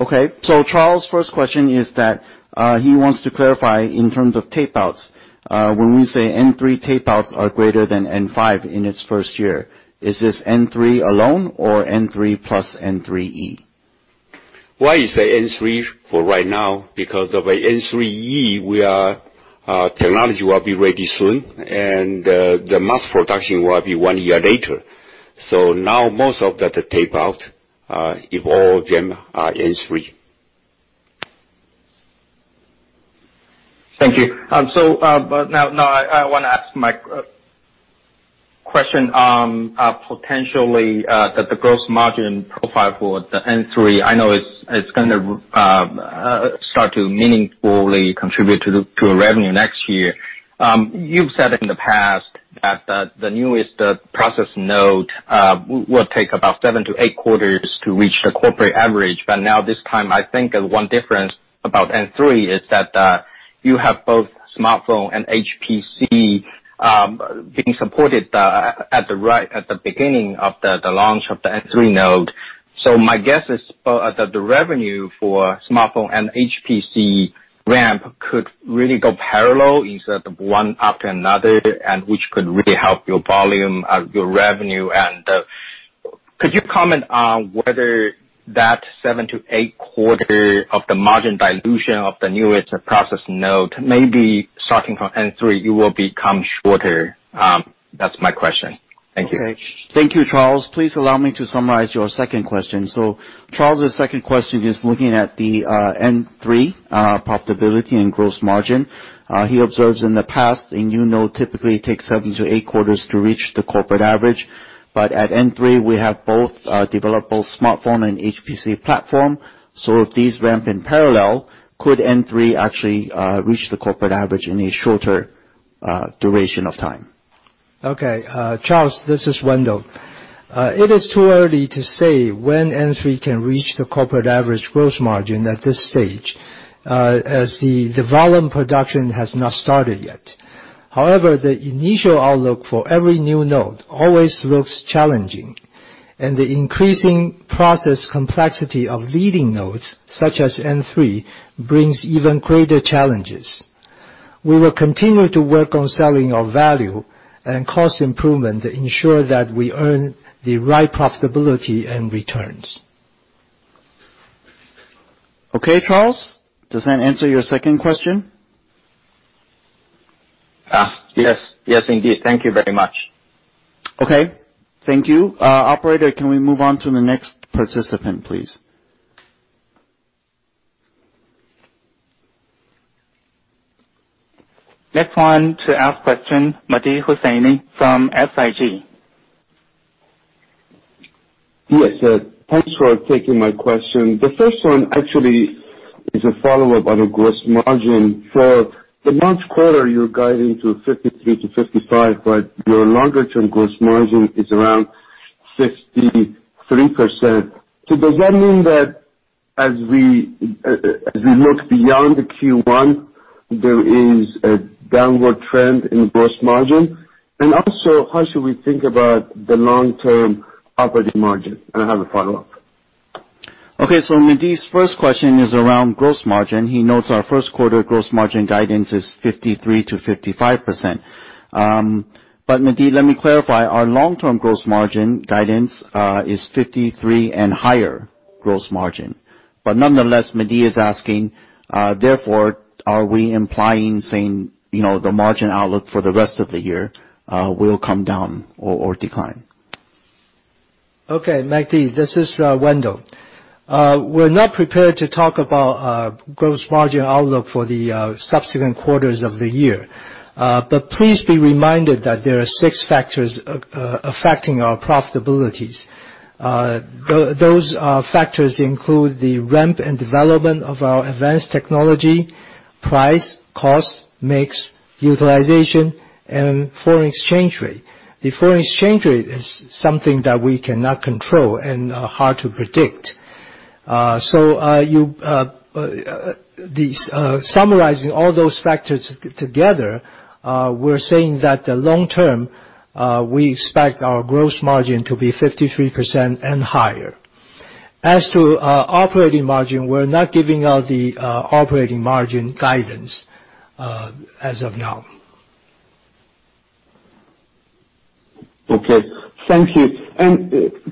Okay. Charles' first question is that, he wants to clarify in terms of tape outs. When we say N3 tape outs are greater than N5 in its first year, is this N3 alone or N3 plus N3E? Why you say N3 for right now? Because of N3E, we are, technology will be ready soon, and, the mass production will be one year later. Now most of the tape out, if all of them are N3. Thank you. Now I want to ask my question on potentially the gross margin profile for the N3. I know it's gonna start to meaningfully contribute to revenue next year. You've said in the past that the newest process node will take about 7-8 quarters to reach the corporate average. Now this time, I think one difference about N3 is that you have both smartphone and HPC being supported at the beginning of the launch of the N3 node. My guess is that the revenue for smartphone and HPC ramp could really go parallel instead of one after another, and which could really help your volume, your revenue. Could you comment on whether that 7-8 quarters of the margin dilution of the newest process node may be starting from N3, it will become shorter? That's my question. Thank you. Okay. Thank you, Charles. Please allow me to summarize your second question. Charles' second question is looking at the N3 profitability and gross margin. He observes in the past, a new node typically takes seven to eight quarters to reach the corporate average. At N3, we have developed both smartphone and HPC platform. If these ramp in parallel, could N3 actually reach the corporate average in a shorter duration of time? Okay. Charles Shi, this is Wendell Huang. It is too early to say when N3 can reach the corporate average gross margin at this stage, as the volume production has not started yet. However, the initial outlook for every new node always looks challenging, and the increasing process complexity of leading nodes, such as N3, brings even greater challenges. We will continue to work on selling our value and cost improvement to ensure that we earn the right profitability and returns. Okay, Charles, does that answer your second question? Yes. Yes, indeed. Thank you very much. Okay. Thank you. Operator, can we move on to the next participant, please? Next one to ask question, Mehdi Hosseini from SIG. Yes, sir. Thanks for taking my question. The first one actually is a follow-up on the gross margin. For the next quarter, you're guiding to 53%-55%, but your longer term gross margin is around 63%. Does that mean that as we look beyond the Q1, there is a downward trend in gross margin? And also, how should we think about the long-term operating margin? And I have a follow-up. Okay. Mehdi's first question is around gross margin. He notes our first quarter gross margin guidance is 53%-55%. But Mehdi, let me clarify. Our long-term gross margin guidance is 53% and higher gross margin. Nonetheless, Mehdi is asking, therefore, are we implying saying, you know, the margin outlook for the rest of the year will come down or decline. Okay, Mehdi, this is Wendell Huang. We're not prepared to talk about gross margin outlook for the subsequent quarters of the year. Please be reminded that there are six factors affecting our profitabilities. Those factors include the ramp and development of our advanced technology, price, cost, mix, utilization, and foreign exchange rate. The foreign exchange rate is something that we cannot control and hard to predict. Summarizing all those factors together, we're saying that the long term we expect our gross margin to be 53% and higher. As to operating margin, we're not giving out the operating margin guidance as of now. Okay. Thank you.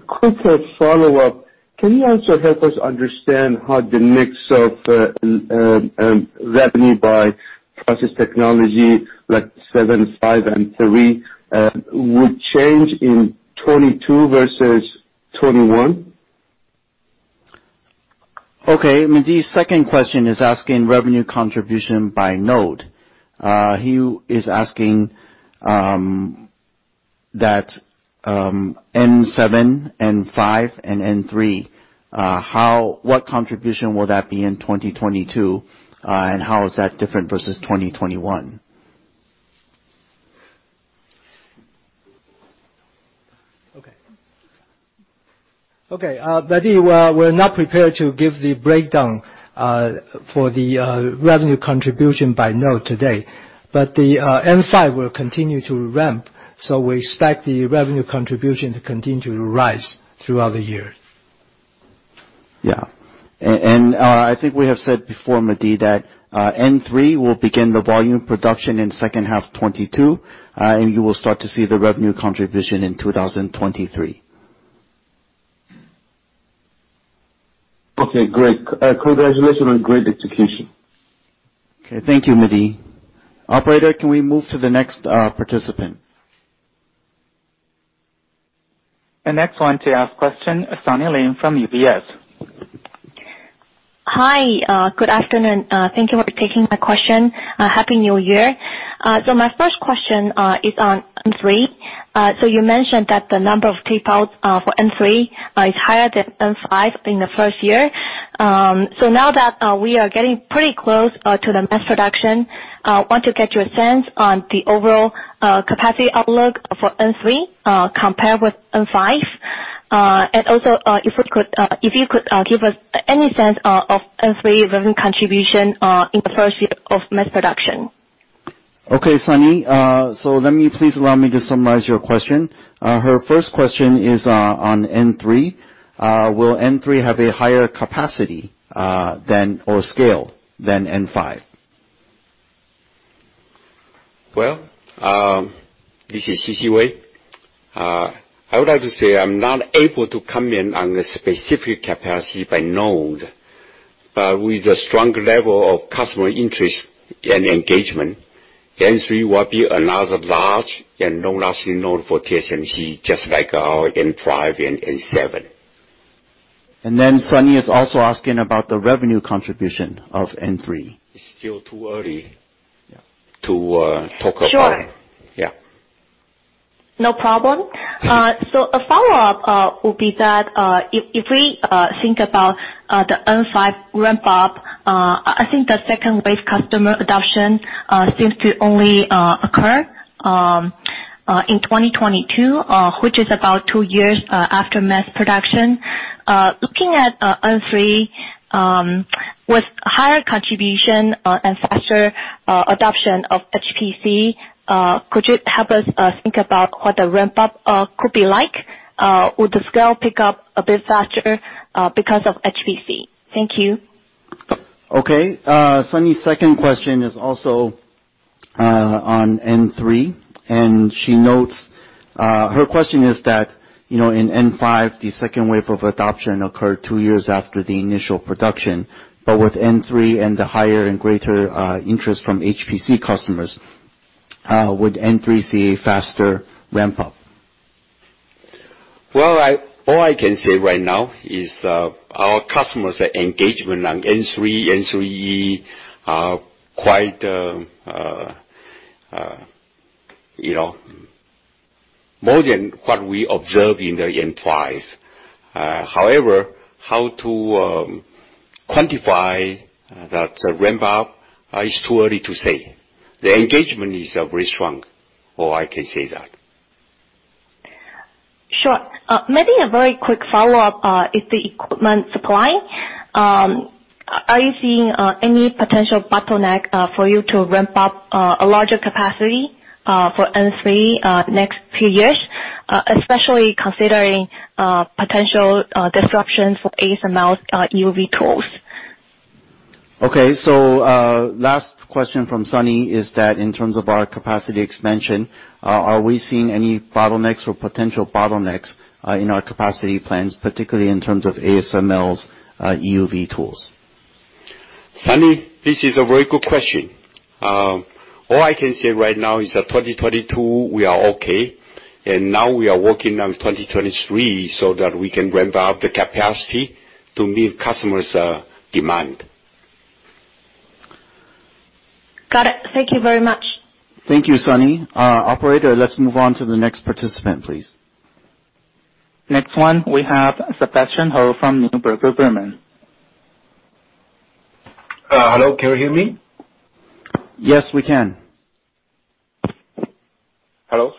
Quick follow-up. Can you also help us understand how the mix of revenue by process technology like 7, 5, and 3 would change in 2022 versus 2021? Okay. Mehdi's second question is asking revenue contribution by node. He is asking that N7, N5, and N3, what contribution will that be in 2022, and how is that different versus 2021? Okay, Mehdi, we're not prepared to give the breakdown for the revenue contribution by node today. The N5 will continue to ramp, so we expect the revenue contribution to continue to rise throughout the year. I think we have said before, Mehdi, that N3 will begin the volume production in second half 2022, and you will start to see the revenue contribution in 2023. Okay, great. Congratulations on great execution. Okay. Thank you, Mehdi. Operator, can we move to the next participant? The next one to ask question is Sunny Lin from UBS. Hi. Good afternoon. Thank you for taking my question. Happy New Year. My first question is on N3. You mentioned that the number of tape outs for N3 is higher than N5 in the first year. Now that we are getting pretty close to the mass production, I want to get your sense on the overall capacity outlook for N3 compared with N5. Also, if you could give us any sense of N3 revenue contribution in the first year of mass production. Okay, Sunny. Please allow me to summarize your question. Her first question is on N3. Will N3 have a higher capacity or scale than N5? This is C.C. Wei. I would like to say I'm not able to comment on the specific capacity by node. With a strong level of customer interest and engagement, N3 will be another large and long-lasting node for TSMC, just like our N5 and N7. Sunny is also asking about the revenue contribution of N3. It's still too early. Yeah. To talk about it. Sure. Yeah. No problem. A follow-up would be that if we think about the N5 ramp-up, I think the second wave customer adoption seems to only occur in 2022, which is about two years after mass production. Looking at N3 with higher contribution and faster adoption of HPC, could you help us think about what the ramp up could be like? Would the scale pick up a bit faster because of HPC? Thank you. Okay. Sunny's second question is also on N3, and she notes her question is that, you know, in N5, the second wave of adoption occurred two years after the initial production. With N3 and the higher and greater interest from HPC customers, would N3 see a faster ramp up? Well, all I can say right now is, our customers' engagement on N3, N3E are quite, you know, more than what we observed in the N5. However, how to quantify that ramp up is too early to say. The engagement is very strong, all I can say that. Sure. Maybe a very quick follow-up, is the equipment supply. Are you seeing any potential bottleneck for you to ramp up a larger capacity for N3 next few years, especially considering potential disruptions of ASML's EUV tools? Okay. Last question from Sunny is that in terms of our capacity expansion, are we seeing any bottlenecks or potential bottlenecks in our capacity plans, particularly in terms of ASML's EUV tools? Sunny, this is a very good question. All I can say right now is that 2022 we are okay, and now we are working on 2023 so that we can ramp up the capacity to meet customers' demand. Got it. Thank you very much. Thank you, Sunny. Operator, let's move on to the next participant, please. Next one, we have Sebastian Hou from Neuberger Berman. Hello, can you hear me? Yes, we can. Hello.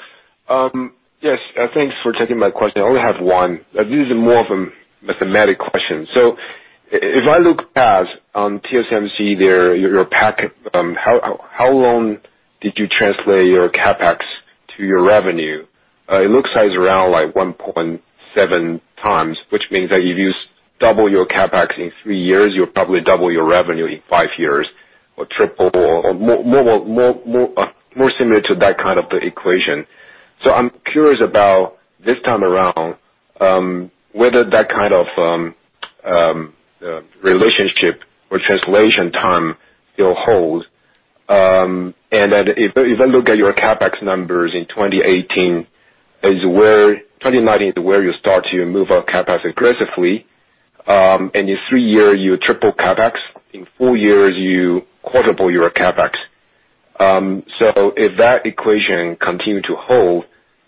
Yes, thanks for taking my question. I only have one. This is more of a mathematical question. If I look past TSMC there, your pack, how long did you translate your CapEx to your revenue? It looks around like 1.7 times, which means that you've used double your CapEx in three years, you'll probably double your revenue in five years or triple or more similar to that kind of equation. I'm curious about this time around whether that kind of relationship or translation time will hold. And then if I look at your CapEx numbers in 2019 is where you start to move our CapEx aggressively, and in three years, you triple CapEx. In four years, you quadruple your CapEx. If that equation continue to hold,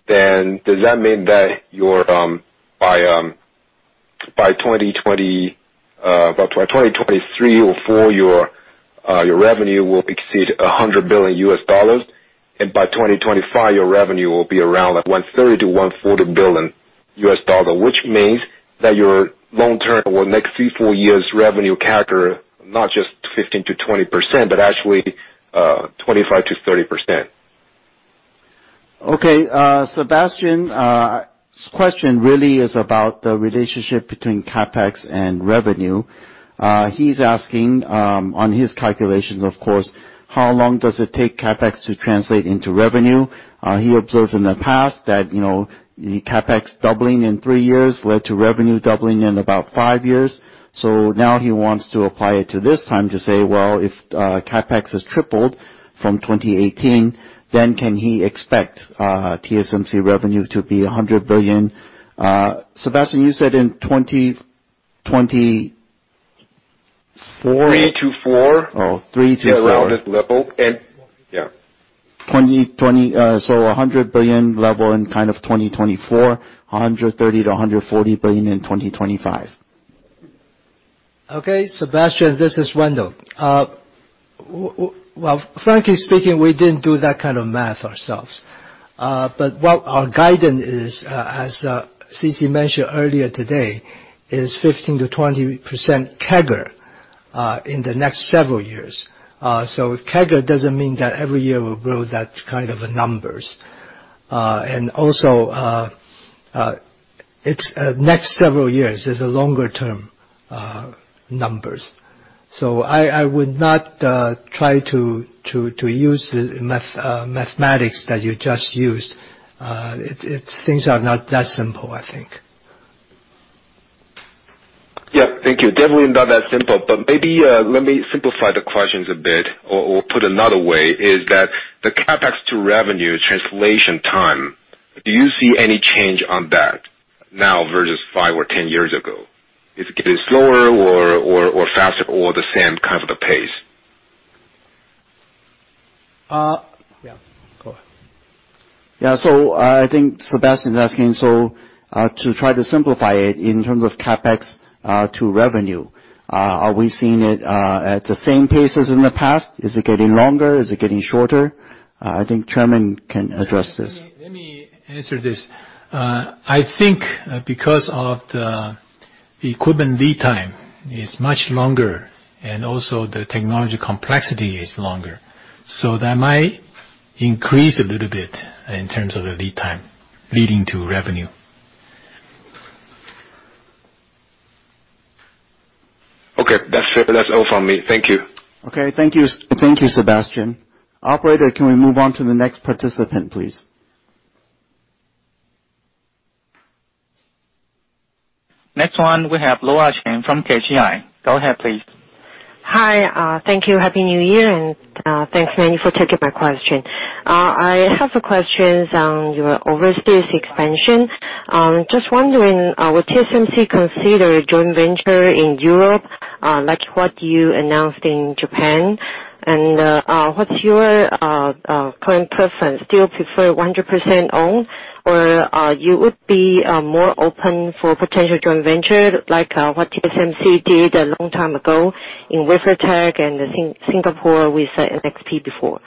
then does that mean that your by 2023 or 2024 your revenue will exceed $100 billion, and by 2025, your revenue will be around like $130 billion-$140 billion, which means that your long-term or next three, four years revenue CAGR not just 15%-20%, but actually 25%-30%. Okay. Sebastian, his question really is about the relationship between CapEx and revenue. He's asking, on his calculations of course, how long does it take CapEx to translate into revenue? He observed in the past that, you know, CapEx doubling in 3 years led to revenue doubling in about 5 years. Now he wants to apply it to this time to say, well, if CapEx has tripled from 2018, then can he expect TSMC revenue to be $100 billion? Sebastian, you said in 2024- 3-4. Oh, 3-4. Yeah, around that level. Yeah. 2020, so a 100 billion level in kind of 2024, 130 billion-140 billion in 2025. Okay. Sebastian, this is Wendell. Well, frankly speaking, we didn't do that kind of math ourselves. What our guidance is, as C.C. mentioned earlier today, is 15%-20% CAGR in the next several years. With CAGR doesn't mean that every year we'll grow that kind of a numbers. Also, it's next several years. It's a longer term numbers. I would not try to use the mathematics that you just used. It's things are not that simple, I think. Yeah. Thank you. Definitely not that simple, but maybe, let me simplify the questions a bit or put another way, is that the CapEx to revenue translation time, do you see any change on that now versus 5 or 10 years ago? Is it getting slower or faster or the same kind of the pace? Yeah. Go ahead. Yeah. I think Sebastian's asking, so, to try to simplify it in terms of CapEx, to revenue, are we seeing it, at the same pace as in the past? Is it getting longer? Is it getting shorter? I think Chairman can address this. Answer this. I think, because of the equipment lead time is much longer, and also the technology complexity is longer. That might increase a little bit in terms of the lead time leading to revenue. Okay. That's all from me. Thank you. Okay. Thank you. Thank you, Sebastian. Operator, can we move on to the next participant, please? Next one, we have Laura Chen from KGI. Go ahead, please. Hi. Thank you. Happy New Year, and thanks Manny for taking my question. I have a question on your overseas expansion. Just wondering, will TSMC consider a joint venture in Europe, like what you announced in Japan? What's your current preference? Still prefer 100% own or you would be more open for potential joint venture like what TSMC did a long time ago in WaferTech and in Singapore with NXP before?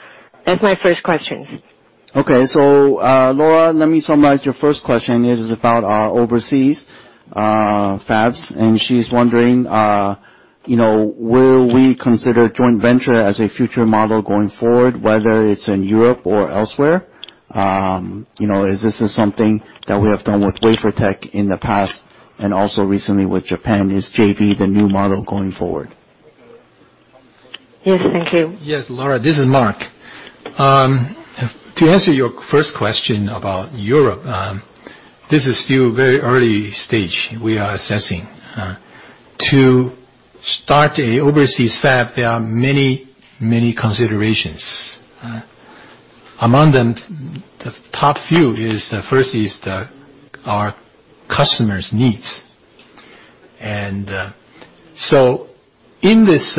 That's my first question. Okay. Laura, let me summarize. Your first question is about our overseas fabs, and she's wondering will we consider joint venture as a future model going forward, whether it's in Europe or elsewhere? As this is something that we have done with WaferTech in the past and also recently with Japan. Is JV the new model going forward? Yes. Thank you. Yes. Laura, this is Mark. To answer your first question about Europe, this is still very early stage we are assessing. To start a overseas fab, there are many considerations. Among them, the top few is, first is our customers' needs. In this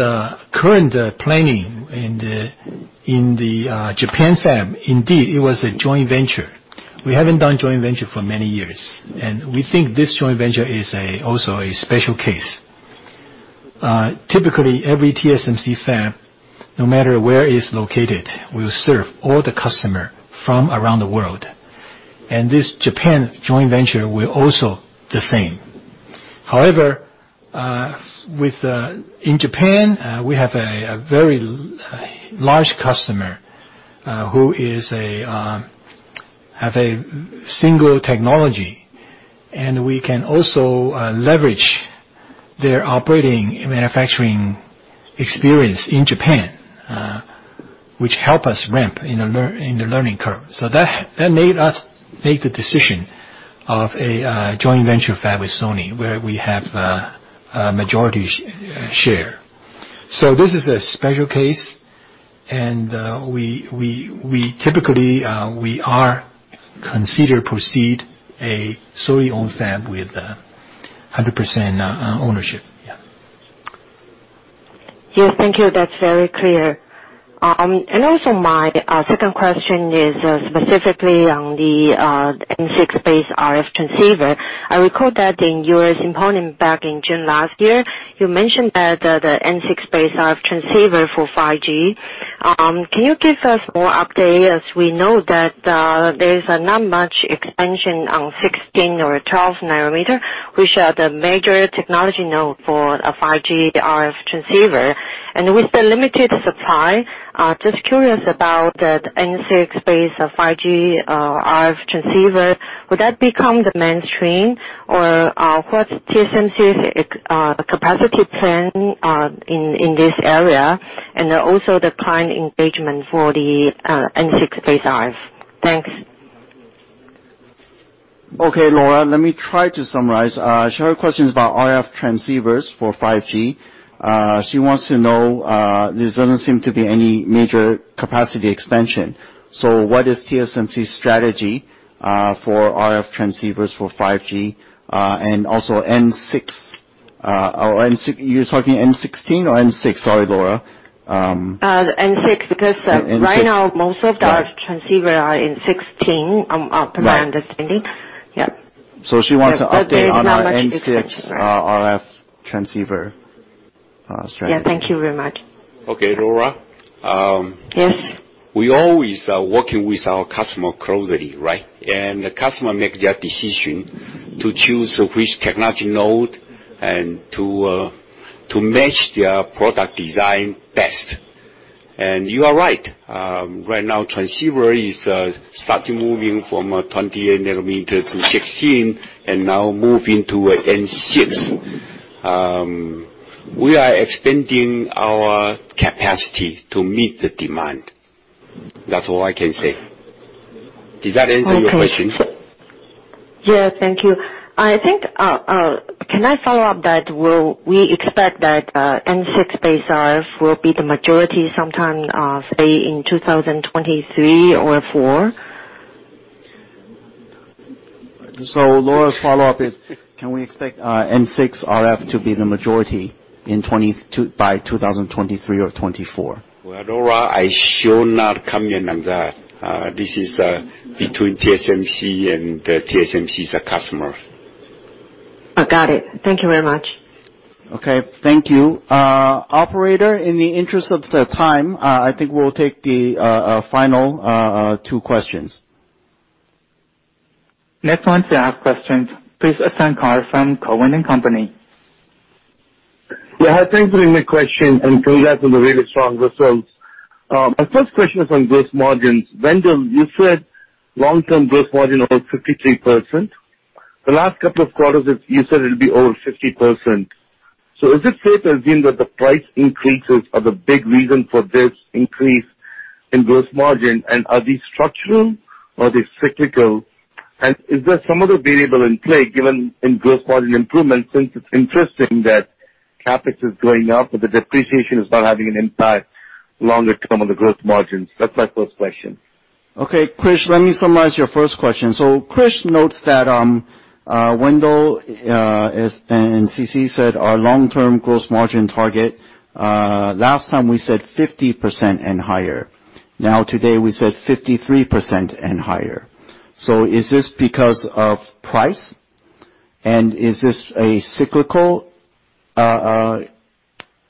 current planning in the Japan fab, indeed, it was a joint venture. We haven't done joint venture for many years, and we think this joint venture is also a special case. Typically, every TSMC fab, no matter where it's located, will serve all the customer from around the world. This Japan joint venture will also the same. However, in Japan, we have a very large customer who has a single technology. We can also leverage their operating manufacturing experience in Japan, which helps us ramp in the learning curve. That made us make the decision of a joint venture fab with Sony where we have a majority share. This is a special case, and we typically consider proceeding with a solely owned fab with 100% ownership. Yeah. Yes. Thank you. That's very clear. Also my second question is, specifically on the N6-based RF transceiver. I recall that in your comments back in June last year, you mentioned that the N6-based RF transceiver for 5G. Can you give us more update, as we know that there is not much expansion on 16 or 12 nanometer, which are the major technology now for a 5G RF transceiver. With the limited supply, just curious about that N6-based 5G RF transceiver. Would that become the mainstream or, what's TSMC's capacity plan in this area, and also the client engagement for the N6-based RF? Thanks. Okay, Laura, let me try to summarize. She had questions about RF transceivers for 5G. She wants to know, there doesn't seem to be any major capacity expansion. What is TSMC's strategy for RF transceivers for 5G? And also N6. You're talking N16 or N6? Sorry, Laura. Uh, N6- N6. Because right now most of the Right RF transceiver are in N16, up to my understanding. Right. Yeah. She wants to update. There is not much expansion, right?... on our N6, RF transceiver, strategy. Yeah. Thank you very much. Okay, Laura. Yes. We always are working with our customer closely, right? The customer make their decision to choose which technology node and to match their product design best. You are right. Right now, transceiver is starting moving from 28-nanometer to N16 and now moving to N6. We are extending our capacity to meet the demand. That's all I can say. Does that answer your question? Okay. Yes, thank you. I think, can I follow up that will we expect that, N6-based RF will be the majority sometime, say, in 2023 or 2024? Laura's follow-up is, can we expect N6 RF to be the majority by 2023 or 2024? Well, Laura, I should not comment on that. This is between TSMC and TSMC's customer. I got it. Thank you very much. Okay, thank you. Operator, in the interest of the time, I think we'll take the final two questions. Krish Sankar from Cowen and Company. Yeah. Thanks for taking my question, and congrats on the really strong results. My first question is on gross margins. Wendell, you said long-term gross margin about 53%. The last couple of quarters, you said it'll be over 50%. Is it fair to assume that the price increases are the big reason for this increase in gross margin, and are these structural or these cyclical? And is there some other variable in play given the gross margin improvements, since it's interesting that CapEx is going up, but the depreciation is not having an impact longer term on the gross margins? That's my first question. Okay. Krish, let me summarize your first question. Krish notes that Wendell and C.C. said our long-term gross margin target last time we said 50% and higher. Now, today we said 53% and higher. Is this because of price? And is this a cyclical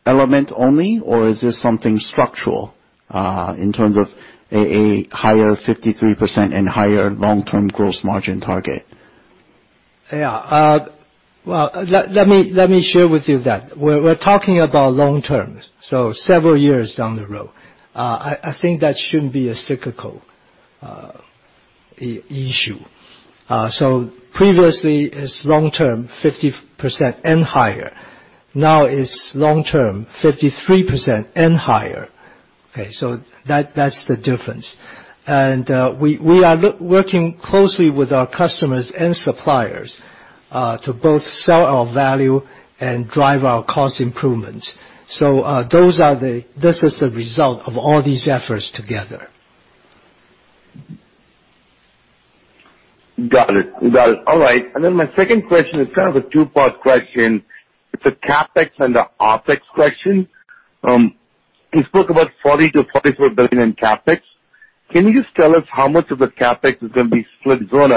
element only, or is this something structural in terms of a higher 53% and higher long-term gross margin target? Yeah. Well, let me share with you that we're talking about long-term, so several years down the road. I think that shouldn't be a cyclical issue. Previously it's long-term 50% and higher. Now, it's long-term 53% and higher. Okay. That's the difference. We are working closely with our customers and suppliers to both sell our value and drive our cost improvements. This is the result of all these efforts together. Got it. All right. My second question is kind of a two-part question. It's a CapEx and an OpEx question. You spoke about $40 billion-$44 billion in CapEx. Can you just tell us how much of the CapEx is gonna be for growth?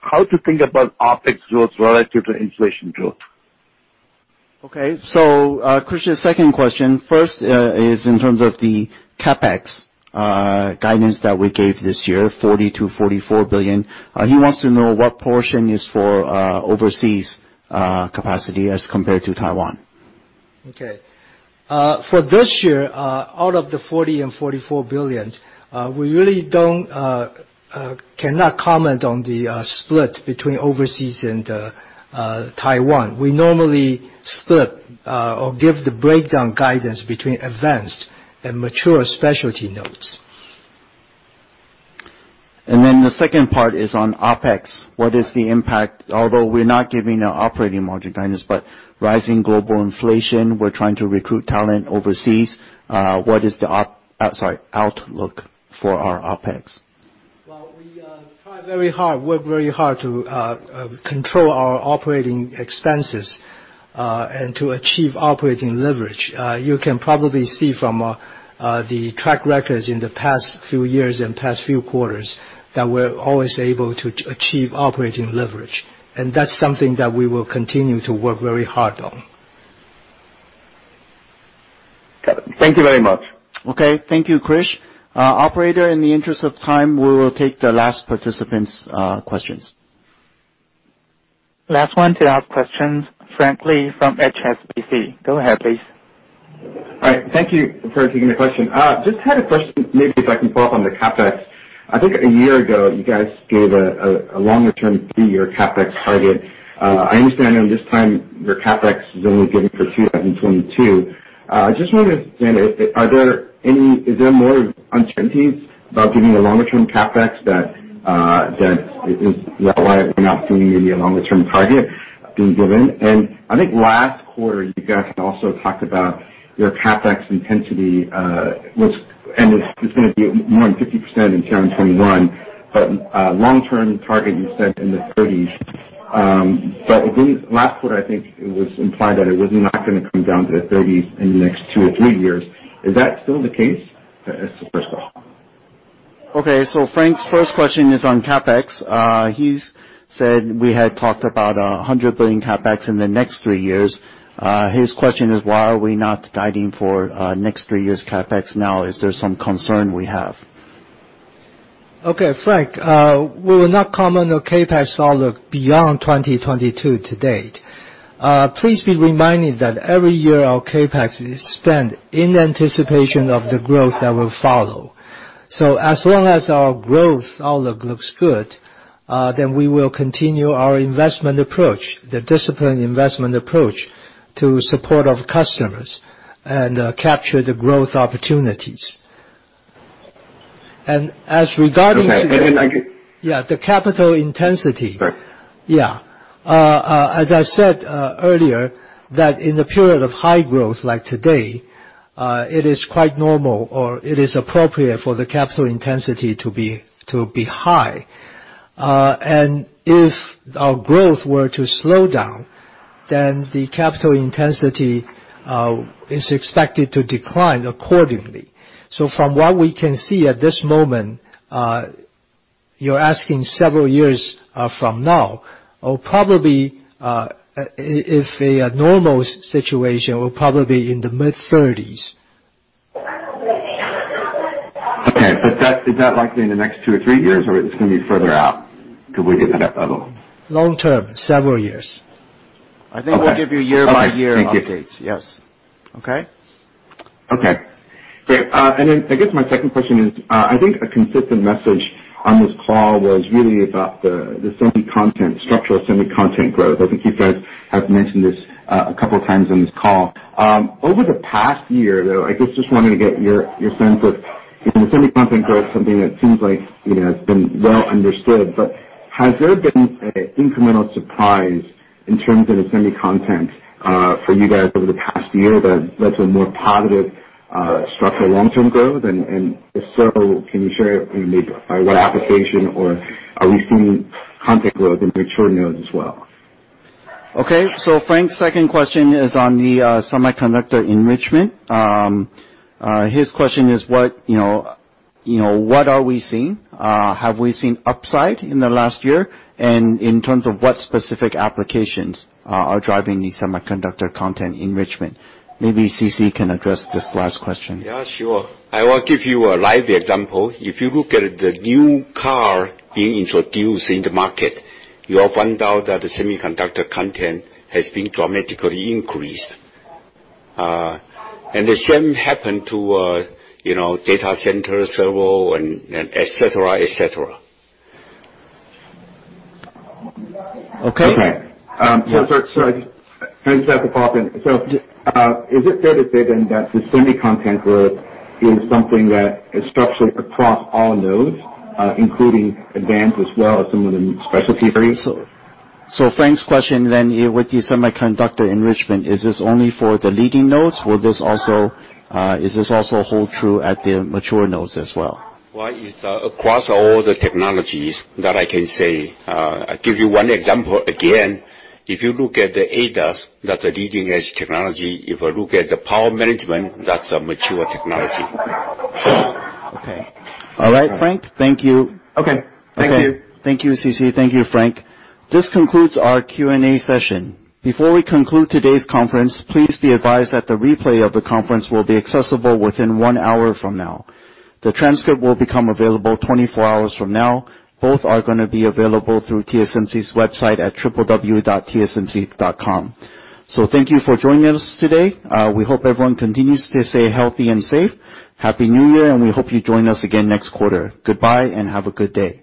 How to think about OpEx growth relative to inflation? Okay. Krish's second question, first, is in terms of the CapEx guidance that we gave this year, $40 billion-$44 billion. He wants to know what portion is for overseas capacity as compared to Taiwan. Okay. For this year, out of the 40 billion and 44 billion, we really cannot comment on the split between overseas and Taiwan. We normally split or give the breakdown guidance between advanced and mature specialty nodes. The second part is on OpEx. What is the impact? Although we're not giving an operating margin guidance, but rising global inflation, we're trying to recruit talent overseas, what is the outlook for our OpEx? Well, we try very hard, work very hard to control our operating expenses and to achieve operating leverage. You can probably see from the track records in the past few years and past few quarters that we're always able to achieve operating leverage. That's something that we will continue to work very hard on. Got it. Thank you very much. Okay. Thank you, Krish. Operator, in the interest of time, we will take the last participant's questions. Last one to ask questions, Frank Lee from HSBC. Go ahead, please. All right. Thank you for taking the question. Just had a question, maybe if I can follow up on the CapEx. I think a year ago you guys gave a longer-term three-year CapEx target. I understand that this time your CapEx is only given for 2022. Just wanted to understand, is there more uncertainties about giving a longer term CapEx that is why we're not seeing maybe a longer term target being given? I think last quarter you guys had also talked about your CapEx intensity, and it's gonna be more than 50% in 2021, but long-term target you set in the 30s%. I believe last quarter, I think it was implied that it was not gonna come down to the thirties in the next two or three years. Is that still the case? That's the first one. Okay. Frank's first question is on CapEx. He said we had talked about $100 billion CapEx in the next three years. His question is, "Why are we not guiding for next three years CapEx now? Is there some concern we have? Okay. Frank, we will not comment on CapEx outlook beyond 2022 to date. Please be reminded that every year our CapEx is spent in anticipation of the growth that will follow. As long as our growth outlook looks good, then we will continue our investment approach, the disciplined investment approach to support our customers and capture the growth opportunities. As regards to the- Okay. Yeah, the capital intensity. Sorry. Yeah. As I said earlier that in the period of high growth like today, it is quite normal or it is appropriate for the capital intensity to be high. If our growth were to slow down- The capital intensity is expected to decline accordingly. From what we can see at this moment, you're asking several years from now. Probably, if a normal situation, we're probably in the mid-thirties. Is that likely in the next two or three years, or it's gonna be further out the way that Long term, several years. Okay. I think we'll give you year by year updates. Okay. Thank you. Yes. Okay? Okay. Great. I guess my second question is, I think a consistent message on this call was really about the semi content, structural semi-content growth. I think you guys have mentioned this, a couple of times on this call. Over the past year, though, I guess just wanting to get your sense of if the semi content growth is something that seems like, you know, has been well understood, but has there been a incremental surprise in terms of the semi content, for you guys over the past year that's a more positive, structural long-term growth? If so, can you share maybe by what application or are we seeing content growth in mature nodes as well? Okay. Frank's second question is on the semiconductor enrichment. His question is what, you know, what are we seeing? Have we seen upside in the last year? In terms of what specific applications are driving the semiconductor content enrichment. Maybe CC can address this last question. Yeah, sure. I will give you a live example. If you look at the new car being introduced in the market, you'll find out that the semiconductor content has been dramatically increased. The same happened to, you know, data center, server and et cetera, etc. Okay. Sorry to step up, Robin. Is it fair to say then that the semi-content growth is something that is structured across all nodes, including advanced as well as some of the specialty areas? Frank's question then with the semiconductor enrichment, is this only for the leading nodes or is this also hold true at the mature nodes as well? Well, it's across all the technologies that I can say. I give you one example again. If you look at the ADAS, that's a leading-edge technology. If you look at the power management, that's a mature technology. Okay. All right, Frank. Thank you. Okay. Thank you. Thank you, CC. Thank you, Frank. This concludes our Q&A session. Before we conclude today's conference, please be advised that the replay of the conference will be accessible within 1 hour from now. The transcript will become available 24 hours from now. Both are gonna be available through TSMC's website at www.tsmc.com. Thank you for joining us today. We hope everyone continues to stay healthy and safe. Happy New Year, and we hope you join us again next quarter. Goodbye, and have a good day.